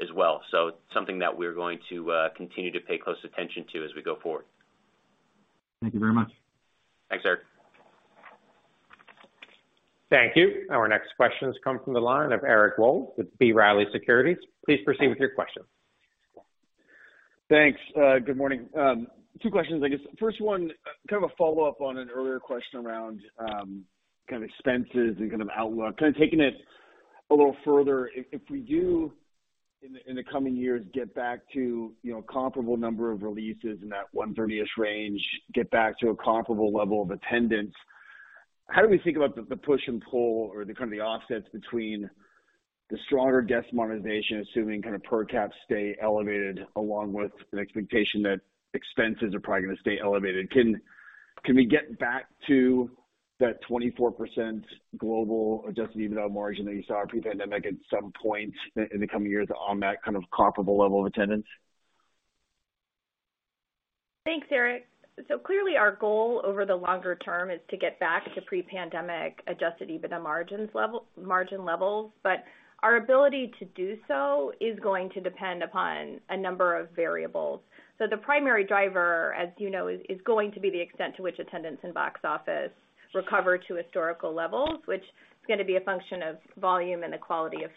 as well. It's something that we're going to continue to pay close attention to as we go forward. Thank you very much. Thanks, Eric. Thank you. Our next question has come from the line of Eric Wold with B. Riley Securities. Please proceed with your question. Thanks. Good morning. Two questions, I guess. First one, kind of a follow-up on an earlier question around, kind of expenses and kind of outlook. Kind of taking it a little further, if we do in the, in the coming years get back to, you know, comparable number of releases in that 1/30th range, get back to a comparable level of attendance, how do we think about the push and pull or the kind of the offsets between the stronger guest monetization, assuming kind of per caps stay elevated, along with an expectation that expenses are probably gonna stay elevated? Can we get back to that 24% global Adjusted EBITDA margin that you saw pre-pandemic at some point in the coming years on that kind of comparable level of attendance? Thanks, Eric. Clearly our goal over the longer term is to get back to pre-pandemic Adjusted EBITDA margin levels, but our ability to do so is going to depend upon a number of variables. The primary driver, as you know, is going to be the extent to which attendance and box office recover to historical levels. Which is going to be a function of volume and the quality of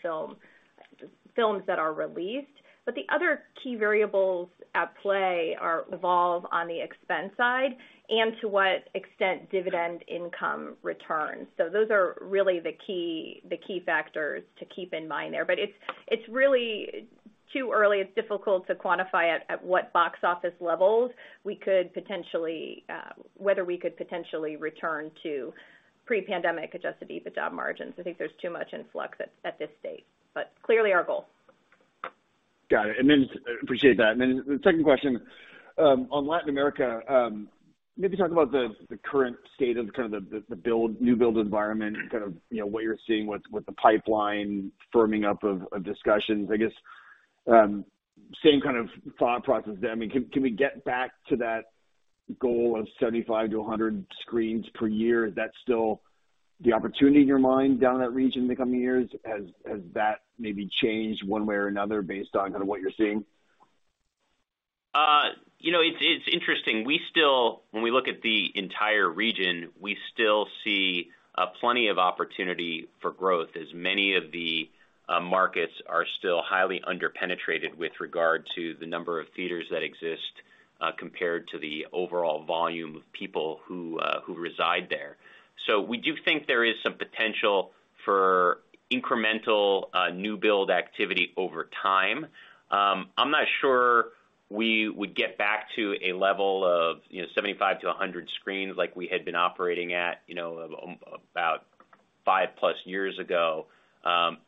films that are released. The other key variables at play are evolve on the expense side and to what extent dividend income returns. Those are really the key factors to keep in mind there. It's really too early. It's difficult to quantify at what box office levels we could potentially, whether we could potentially return to pre-pandemic Adjusted EBITDA margins. I think there's too much in flux at this stage, but clearly our goal. Got it. Appreciate that. The second question on Latin America, maybe talk about the current state of kind of the new build environment, kind of, you know, what you're seeing with the pipeline firming up of discussions. I guess, same kind of thought process. I mean, can we get back to that goal of 75-100 screens per year? Is that still the opportunity in your mind down in that region in the coming years? Has that maybe changed one way or another based on kind of what you're seeing? You know, it's interesting. We still, when we look at the entire region, we still see plenty of opportunity for growth, as many of the markets are still highly under-penetrated with regard to the number of theaters that exist compared to the overall volume of people who reside there. We do think there is some potential for incremental new build activity over time. I'm not sure we would get back to a level of, you know, 75-100 screens like we had been operating at, you know, about five plus years ago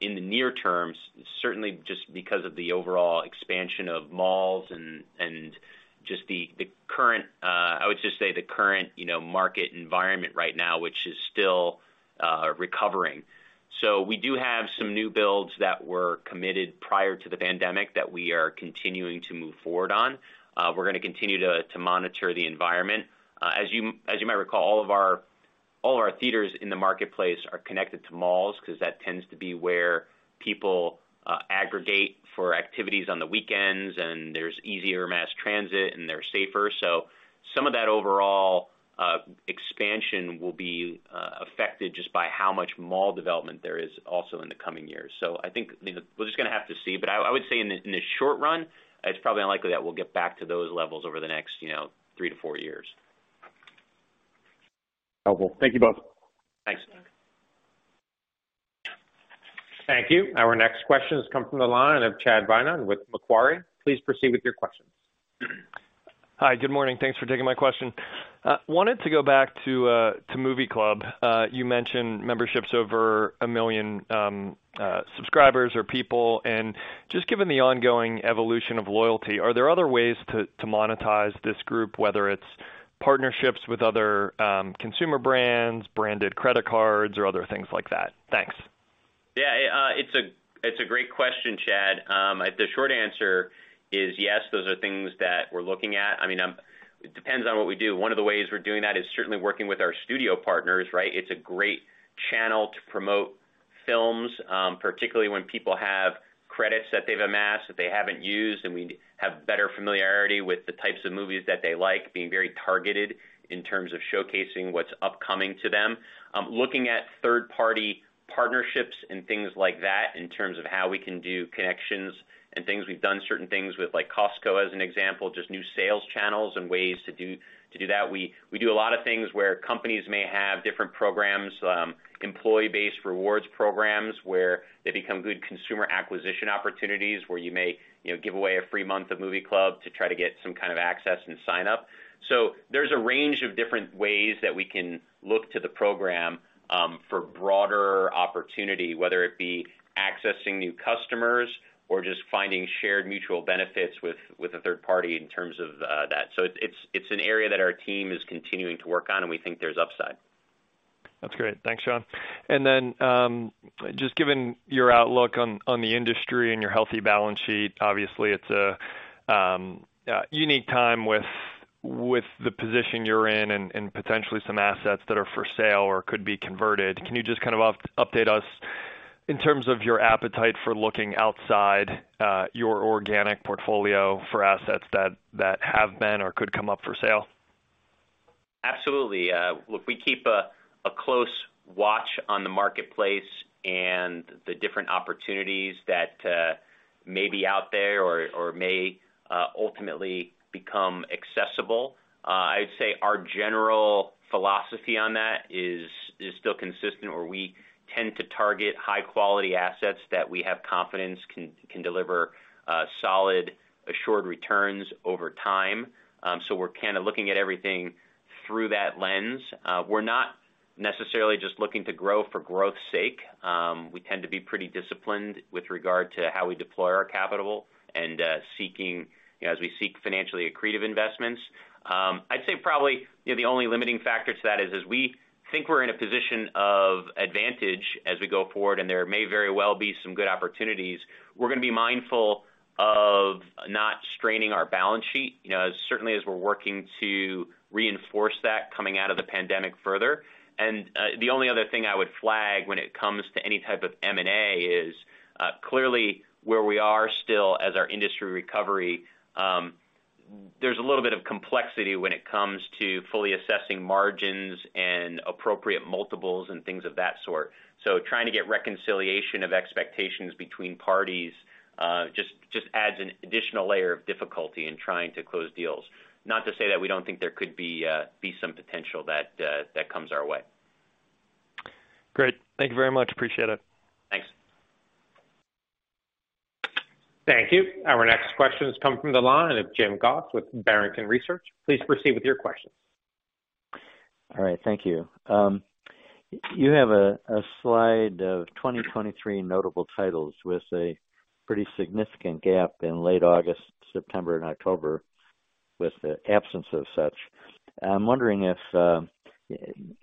in the near term. Certainly just because of the overall expansion of malls and just the current, I would just say the current, you know, market environment right now, which is still recovering. We do have some new builds that were committed prior to the pandemic that we are continuing to move forward on. We're gonna continue to monitor the environment. As you might recall, all of our theaters in the marketplace are connected to malls because that tends to be where people aggregate for activities on the weekends, and there's easier mass transit, and they're safer. Some of that overall expansion will be affected just by how much mall development there is also in the coming years. I think, you know, we're just gonna have to see. I would say in the short run, it's probably unlikely that we'll get back to those levels over the next, you know, three-four years. Helpful. Thank you both. Thanks. Thank you. Our next question has come from the line of Chad Beynon with Macquarie. Please proceed with your questions. Hi, good morning. Thanks for taking my question. wanted to go back to Movie Club. you mentioned memberships over 1 million subscribers or people. Just given the ongoing evolution of loyalty, are there other ways to monetize this group, whether it's partnerships with other consumer brands, branded credit cards, or other things like that? Thanks. It's a great question, Chad. The short answer is yes, those are things that we're looking at. I mean, it depends on what we do. One of the ways we're doing that is certainly working with our studio partners, right? It's a great channel to promote films, particularly when people have credits that they've amassed that they haven't used, and we have better familiarity with the types of movies that they like, being very targeted in terms of showcasing what's upcoming to them. Looking at third-party partnerships and things like that in terms of how we can do connections and things. We've done certain things with, like, Costco as an example, just new sales channels and ways to do that. We do a lot of things where companies may have different programs, employee-based rewards programs, where they become good consumer acquisition opportunities, where you may, you know, give away a free month of Movie Club to try to get some kind of access and sign-up. There's a range of different ways that we can look to the program, for broader opportunity, whether it be accessing new customers or just finding shared mutual benefits with a third party in terms of that. It's an area that our team is continuing to work on, and we think there's upside. That's great. Thanks, Sean. Just given your outlook on the industry and your healthy balance sheet, obviously it's a unique time with the position you're in and potentially some assets that are for sale or could be converted. Can you just kind of update us in terms of your appetite for looking outside your organic portfolio for assets that have been or could come up for sale? Absolutely. Look, we keep a close watch on the marketplace and the different opportunities that may be out there or may ultimately become accessible. I'd say our general philosophy on that is still consistent, where we tend to target high-quality assets that we have confidence can deliver solid assured returns over time. We're kind of looking at everything through that lens. We're not necessarily just looking to grow for growth's sake. We tend to be pretty disciplined with regard to how we deploy our capital and seeking, you know, as we seek financially accretive investments. I'd say probably, you know, the only limiting factor to that is we think we're in a position of advantage as we go forward, there may very well be some good opportunities. We're gonna be mindful of not straining our balance sheet, you know, as certainly as we're working to reinforce that coming out of the pandemic further. The only other thing I would flag when it comes to any type of M&A is clearly where we are still as our industry recovery. There's a little bit of complexity when it comes to fully assessing margins and appropriate multiples and things of that sort. Trying to get reconciliation of expectations between parties just adds an additional layer of difficulty in trying to close deals. Not to say that we don't think there could be some potential that comes our way. Great. Thank you very much. Appreciate it. Thanks. Thank you. Our next question is coming from the line of Jim Goss with Barrington Research. Please proceed with your question. All right, thank you. You have a slide of 2023 notable titles with a pretty significant gap in late August, September and October with the absence of such. I'm wondering if,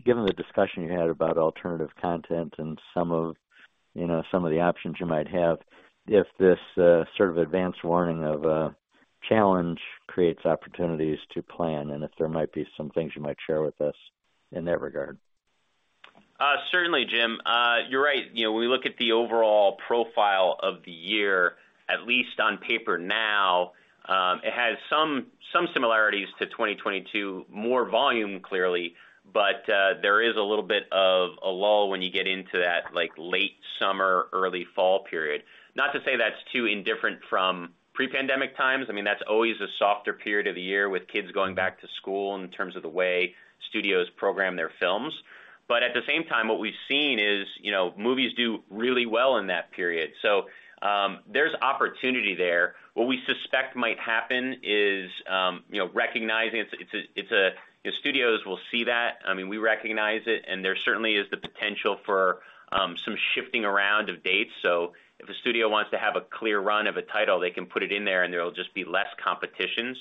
given the discussion you had about alternative content and some of, you know, some of the options you might have, if this, sort of advanced warning of a challenge creates opportunities to plan, and if there might be some things you might share with us in that regard? Certainly, Jim. You're right. You know, when we look at the overall profile of the year, at least on paper now, it has some similarities to 2022. More volume, clearly, but there is a little bit of a lull when you get into that, like, late summer, early fall period. Not to say that's too indifferent from pre-pandemic times. I mean, that's always a softer period of the year with kids going back to school in terms of the way studios program their films. At the same time, what we've seen is, you know, movies do really well in that period. There's opportunity there. What we suspect might happen is, you know, recognizing studios will see that. I mean, we recognize it, and there certainly is the potential for some shifting around of dates. If a studio wants to have a clear run of a title, they can put it in there, and there will just be less competition.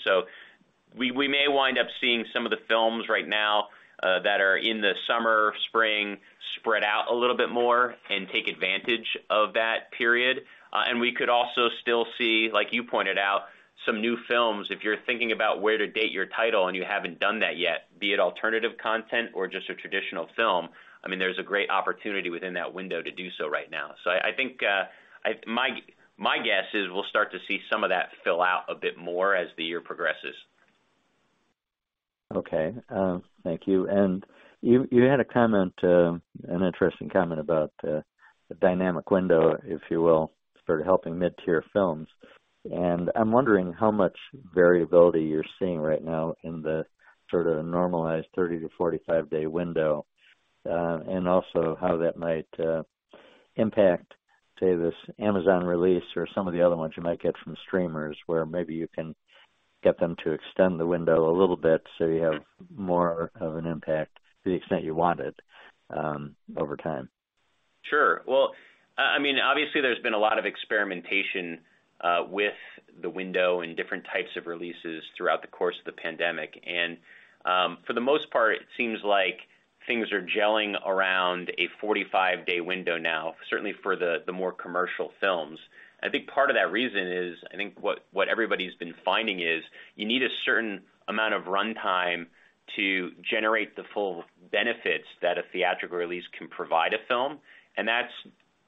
We, we may wind up seeing some of the films right now, that are in the summer, spring, spread out a little bit more and take advantage of that period. We could also still see, like you pointed out, some new films. If you're thinking about where to date your title and you haven't done that yet, be it alternative content or just a traditional film, I mean, there's a great opportunity within that window to do so right now. I think, my guess is we'll start to see some of that fill out a bit more as the year progresses. Okay. Thank you. You had a comment, an interesting comment about the dynamic window, if you will, for helping mid-tier films. I'm wondering how much variability you're seeing right now in the sort of normalized 30 to 45-day window. Also how that might impact, say, this Amazon release or some of the other ones you might get from streamers, where maybe you can get them to extend the window a little bit so you have more of an impact to the extent you want it over time. Sure. Well, I mean, obviously, there's been a lot of experimentation with the window and different types of releases throughout the course of the pandemic. For the most part, it seems like things are gelling around a 45-day window now, certainly for the more commercial films. I think part of that reason is, I think what everybody's been finding is you need a certain amount of runtime to generate the full benefits that a theatrical release can provide a film.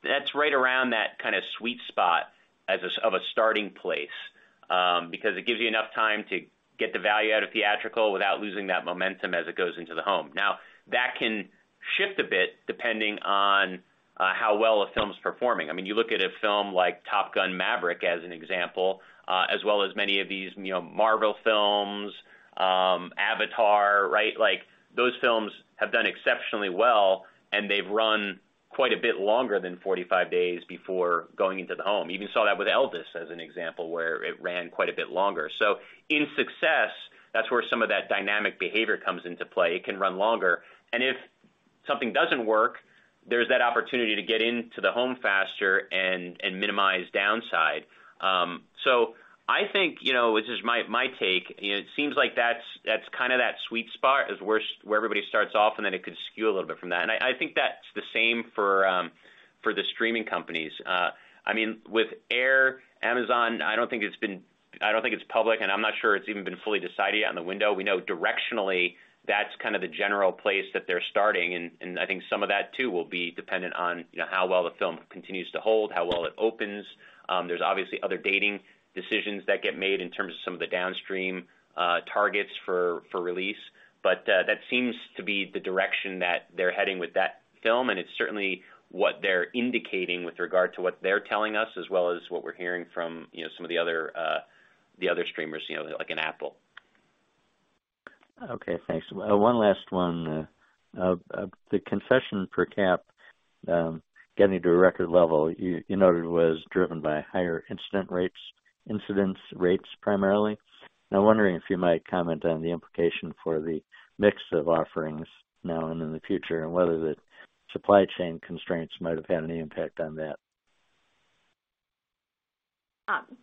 That's right around that kind of sweet spot as of a starting place, because it gives you enough time to get the value out of theatrical without losing that momentum as it goes into the home. Now, that can shift a bit depending on how well a film is performing. I mean, you look at a film like Top Gun: Maverick as an example, as well as many of these, you know, Marvel films, Avatar, right? Like, those films have done exceptionally well, and they've run quite a bit longer than 45 days before going into the home. You even saw that with Elvis as an example, where it ran quite a bit longer. In success, that's where some of that dynamic behavior comes into play. It can run longer. If something doesn't work, there's that opportunity to get into the home faster and minimize downside. I think, you know, this is my take. It seems like that's kind of that sweet spot is where everybody starts off, and then it could skew a little bit from that. I think that's the same for the streaming companies. I mean, with Air, Amazon, I don't think it's public, and I'm not sure it's even been fully decided on the window. We know directionally, that's kind of the general place that they're starting. I think some of that, too, will be dependent on, you know, how well the film continues to hold, how well it opens. There's obviously other dating decisions that get made in terms of some of the downstream targets for release. That seems to be the direction that they're heading with that film, and it's certainly what they're indicating with regard to what they're telling us, as well as what we're hearing from, you know, some of the other streamers, you know, like an Apple. Okay, thanks. One last one. The concession per cap, getting to a record level, you noted was driven by higher incident rates primarily. I'm wondering if you might comment on the implication for the mix of offerings now and in the future, and whether the supply chain constraints might have had any impact on that.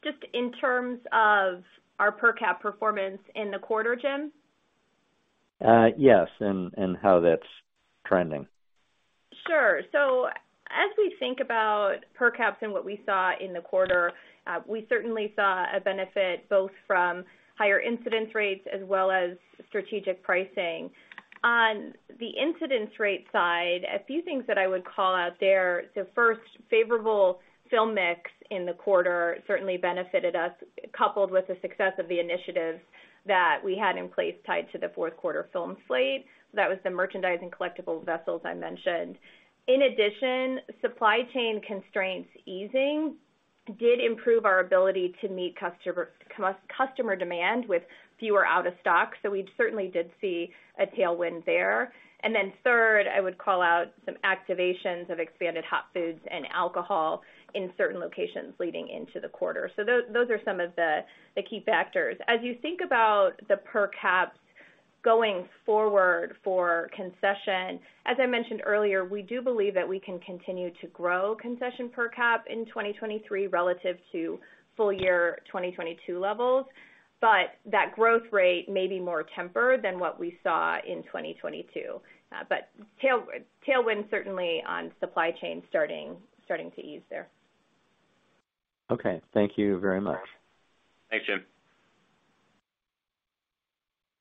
Just in terms of our per cap performance in the quarter, Jim? Yes, and how that's trending. Sure. As we think about per caps and what we saw in the quarter, we certainly saw a benefit both from higher incidence rates as well as strategic pricing. On the incidence rate side, a few things that I would call out there. First, favorable film mix in the quarter certainly benefited us, coupled with the success of the initiatives that we had in place tied to the fourth quarter film slate. That was the merchandise and collectibles vessels I mentioned. In addition, supply chain constraints easing did improve our ability to meet customer demand with fewer out of stock. We certainly did see a tailwind there. Then third, I would call out some activations of expanded hot foods and alcohol in certain locations leading into the quarter. Those are some of the key factors. As you think about the per caps going forward for concession, as I mentioned earlier, we do believe that we can continue to grow concession per cap in 2023 relative to full year 2022 levels. That growth rate may be more tempered than what we saw in 2022. Tailwind certainly on supply chain starting to ease there. Okay. Thank you very much. Thanks, Jim.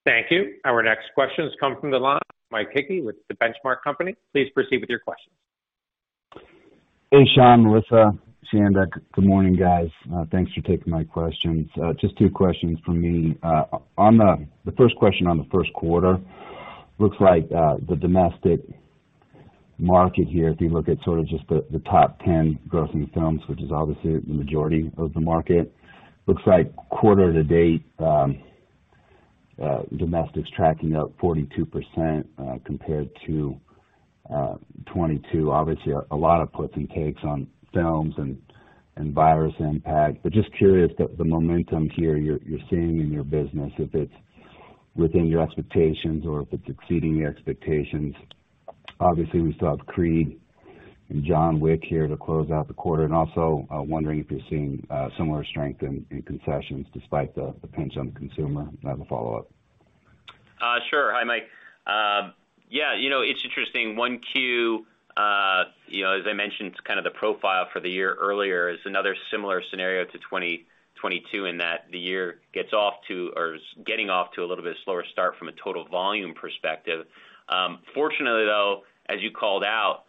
Thank you. Our next question has come from the line. Mike Hickey with The Benchmark Company. Please proceed with your question. Hey, Sean, Melissa, Chanda. Good morning, guys. Thanks for taking my questions. Just two questions from me. On the first question on the first quarter, looks like the domestic market here, if you look at sort of just the top 10 grossing films, which is obviously the majority of the market, looks like quarter-to-date, domestic's tracking up 42% compared to 2022. Obviously a lot of puts and takes on films and virus impact. Just curious, the momentum here you're seeing in your business, if it's within your expectations or if it's exceeding your expectations? Obviously, we still have Creed and John Wick here to close out the quarter. Also, wondering if you're seeing similar strength in concessions despite the pinch on consumer? I have a follow-up. Sure. Hi, Mike. Yeah, you know, it's interesting. 1Q, you know, as I mentioned, kind of the profile for the year earlier is another similar scenario to 2022 in that the year gets off to or is getting off to a little bit slower start from a total volume perspective. Fortunately, though, as you called out,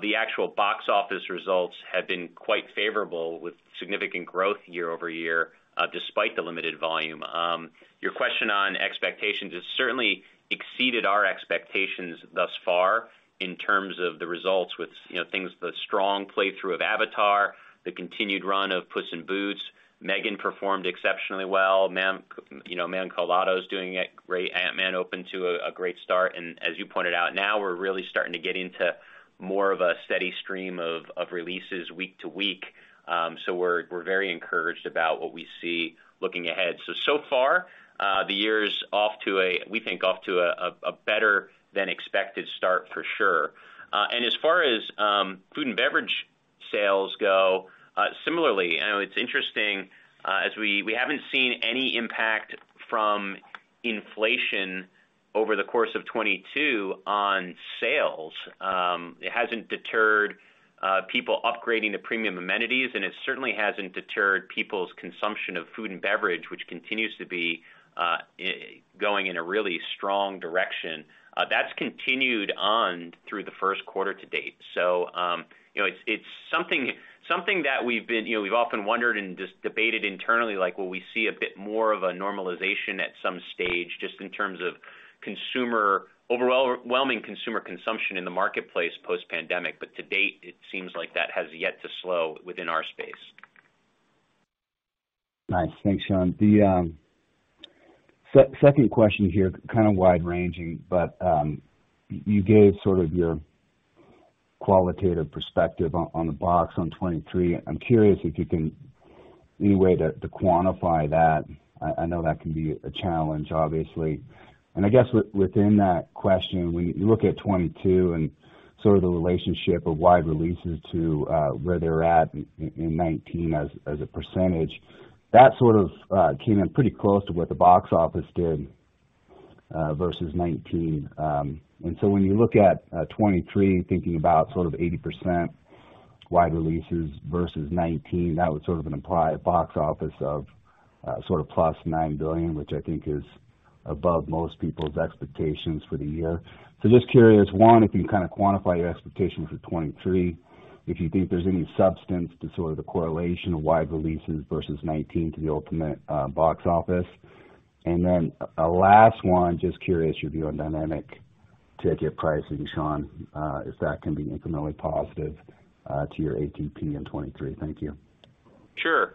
the actual box office results have been quite favorable, with significant growth year-over-year, despite the limited volume. Your question on expectations, it's certainly exceeded our expectations thus far in terms of the results with, you know, things, the strong play through of Avatar, the continued run of Puss in Boots. M3GAN performed exceptionally well. You know, A Man Called Otto is doing great. Ant-Man opened to a great start. As you pointed out, now we're really starting to get into more of a steady stream of releases week to week. We're very encouraged about what we see looking ahead. So far, the year is off to we think off to a better than expected start for sure. As far as food and beverage sales go, similarly, I know it's interesting, as we haven't seen any impact from inflation over the course of 22 on sales. It hasn't deterred people upgrading to premium amenities, and it certainly hasn't deterred people's consumption of food and beverage, which continues to be going in a really strong direction. That's continued on through the first quarter-to-date. You know, it's something that we've been, you know, we've often wondered and just debated internally like, will we see a bit more of a normalization at some stage just in terms of overall-whelming consumer consumption in the marketplace post-pandemic. To date, it seems like that has yet to slow within our space. Nice. Thanks, Sean. The second question here, kind of wide-ranging, you gave sort of your qualitative perspective on the box on 2023. I'm curious if you can any way to quantify that. I know that can be a challenge, obviously. I guess within that question, when you look at 2022 and sort of the relationship of wide releases to where they're at in 19 as a percentage, that sort of came in pretty close to what the box office did versus 2019. When you look at 2023, thinking about sort of 80% wide releases versus 2019, that was sort of an implied box office of sort of +$9 billion, which I think is above most people's expectations for the year. Just curious, one, if you can kinda quantify your expectations for 2023, if you think there's any substance to sort of the correlation of wide releases versus 2019 to the ultimate box office. A last one, just curious, your view on dynamic ticket pricing, Sean, if that can be incrementally positive to your ATP in 2023. Thank you. Sure.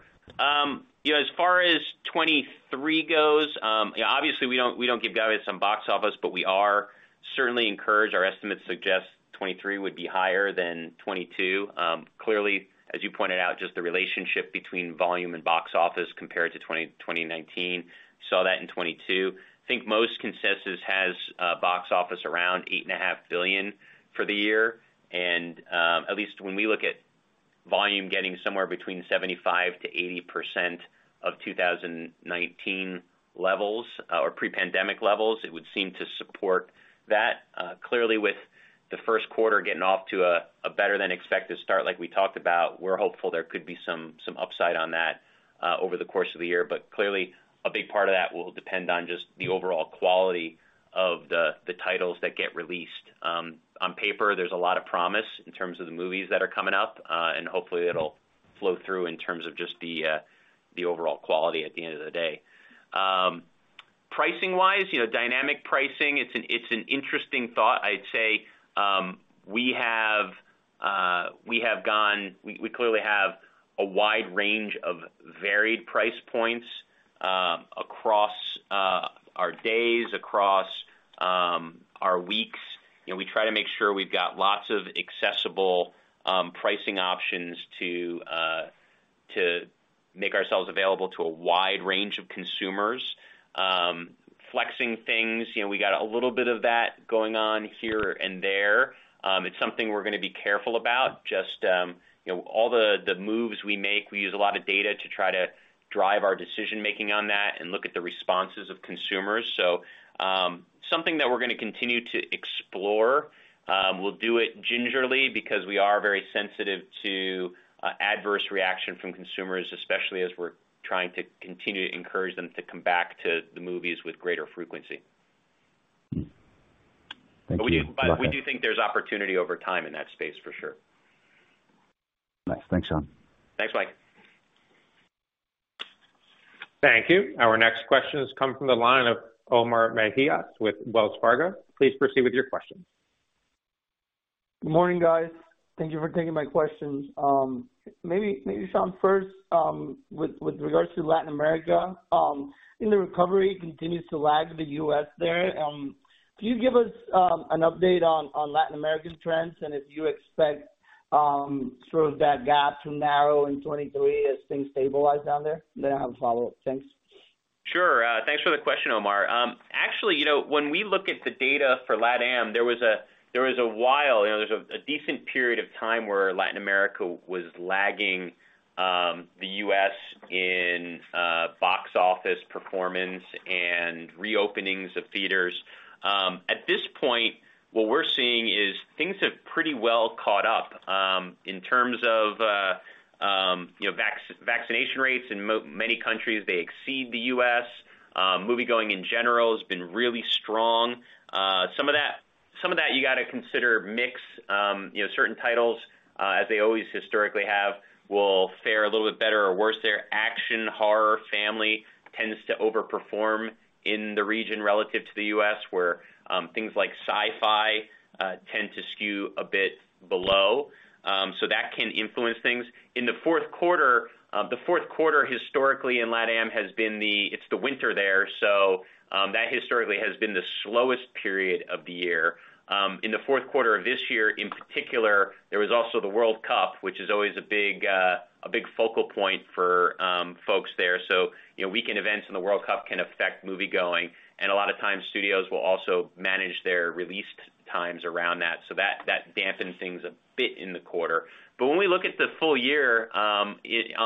You know, as far as 2023 goes, obviously we don't, we don't give guidance on box office, but we are certainly encouraged. Our estimates suggest 2023 would be higher than 2022. Clearly, as you pointed out, just the relationship between volume and box office compared to 2019, saw that in 2022. I think most consensus has box office around $8.5 billion for the year. At least when we look at volume getting somewhere between 75%-80% of 2019 levels or pre-pandemic levels, it would seem to support that. Clearly, with the first quarter getting off to a better-than-expected start like we talked about, we're hopeful there could be some upside on that over the course of the year. Clearly, a big part of that will depend on just the overall quality of the titles that get released. On paper, there's a lot of promise in terms of the movies that are coming up, and hopefully it'll flow through in terms of just the overall quality at the end of the day. Pricing-wise, you know, dynamic pricing, it's an interesting thought. I'd say, we clearly have a wide range of varied price points across our days, across our weeks. You know, we try to make sure we've got lots of accessible pricing options to make ourselves available to a wide range of consumers. Flexing things, you know, we got a little bit of that going on here and there. It's something we're gonna be careful about. Just, you know, all the moves we make, we use a lot of data to try to drive our decision-making on that and look at the responses of consumers. Something that we're gonna continue to explore. We'll do it gingerly because we are very sensitive to adverse reaction from consumers, especially as we're trying to continue to encourage them to come back to the movies with greater frequency. Thank you. Go ahead. We do think there's opportunity over time in that space for sure. Nice. Thanks, Sean. Thanks, Mike. Thank you. Our next question has come from the line of Omar Mejias with Wells Fargo. Please proceed with your question. Good morning, guys. Thank you for taking my questions. Maybe Sean first, with regards to Latin America, and the recovery continues to lag the U.S. there. Can you give us an update on Latin American trends and if you expect sort of that gap to narrow in 2023 as things stabilize down there? I have a follow-up. Thanks. Sure. thanks for the question, Omar. Actually, you know, when we look at the data for LatAm, there was a while, you know, there's a decent period of time where Latin America was lagging the U.S. in box office performance and reopenings of theaters. At this point, what we're seeing is things have pretty well caught up, in terms of, you know, vaccination rates. In many countries, they exceed the U.S. Moviegoing in general has been really strong. Some of that you gotta consider mix. You know, certain titles, as they always historically have, will fare a little bit better or worse there. Action, horror, family tends to overperform in the region relative to the U.S., where things like sci-fi tend to skew a bit below. That can influence things. In the fourth quarter, the fourth quarter historically in LatAm has been it's the winter there, that historically has been the slowest period of the year. In the fourth quarter of this year, in particular, there was also the World Cup, which is always a big, a big focal point for folks there. You know, weekend events in the World Cup can affect moviegoing, and a lot of times studios will also manage their release times around that. That dampened things a bit in the quarter. When we look at the full year, on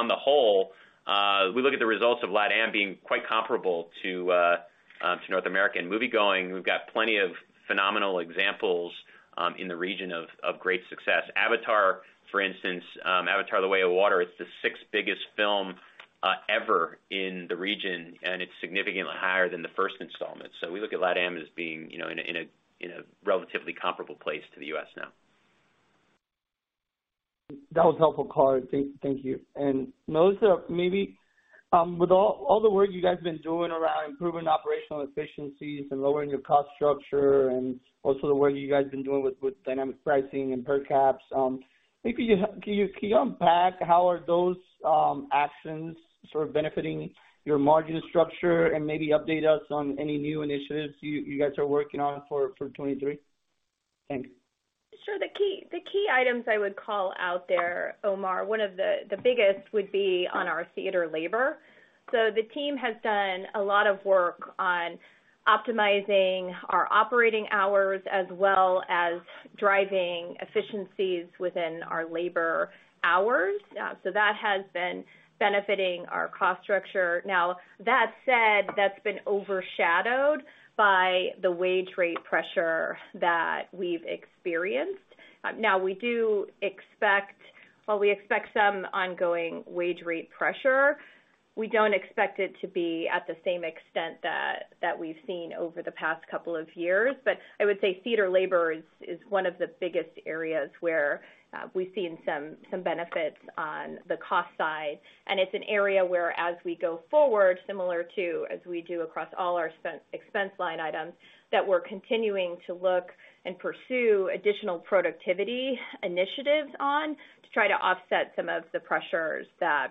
the whole, we look at the results of LatAm being quite comparable to North American moviegoing. We've got plenty of phenomenal examples in the region of great success. Avatar, for instance, Avatar: The Way of Water, it's the sixth biggest film ever in the region, and it's significantly higher than the first installment. We look at LatAm as being, you know, in a, in a, in a relatively comparable place to the U.S. now. That was helpful color. Thank you. Melissa, maybe, with all the work you guys have been doing around improving operational efficiencies and lowering your cost structure and also the work you guys have been doing with dynamic pricing and per caps, maybe can you unpack how are those actions sort of benefiting your margin structure and maybe update us on any new initiatives you guys are working on for 2023? Thanks. Sure. The key items I would call out there, Omar, one of the biggest would be on our theater labor. The team has done a lot of work on optimizing our operating hours as well as driving efficiencies within our labor hours. That has been benefiting our cost structure. Now, that said, that's been overshadowed by the wage rate pressure that we've experienced. While we expect some ongoing wage rate pressure, we don't expect it to be at the same extent that we've seen over the past couple of years. I would say theater labor is one of the biggest areas where we've seen some benefits on the cost side, and it's an area where, as we go forward, similar to as we do across all our expense line items, that we're continuing to look and pursue additional productivity initiatives on to try to offset some of the pressures that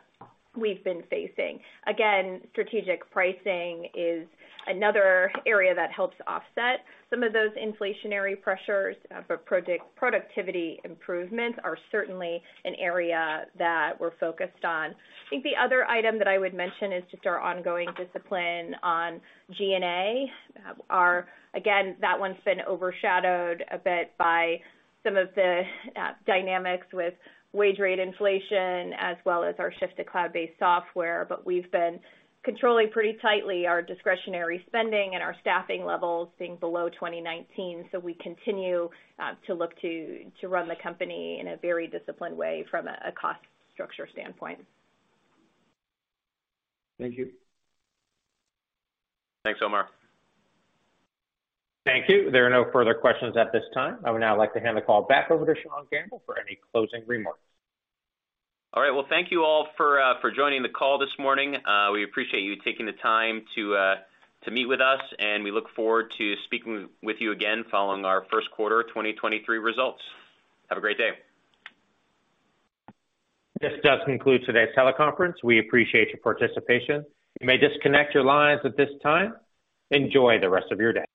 we've been facing. Again, strategic pricing is another area that helps offset some of those inflationary pressures, but project productivity improvements are certainly an area that we're focused on. I think the other item that I would mention is just our ongoing discipline on G&A. Again, that one's been overshadowed a bit by some of the dynamics with wage rate inflation as well as our shift to cloud-based software. We've been controlling pretty tightly our discretionary spending and our staffing levels being below 2019. We continue to look to run the company in a very disciplined way from a cost structure standpoint. Thank you. Thanks, Omar. Thank you. There are no further questions at this time. I would now like to hand the call back over to Sean Gamble for any closing remarks. All right. Well, thank you all for joining the call this morning. We appreciate you taking the time to meet with us, and we look forward to speaking with you again following our first quarter of 2023 results. Have a great day. This does conclude today's teleconference. We appreciate your participation. You may disconnect your lines at this time. Enjoy the rest of your day.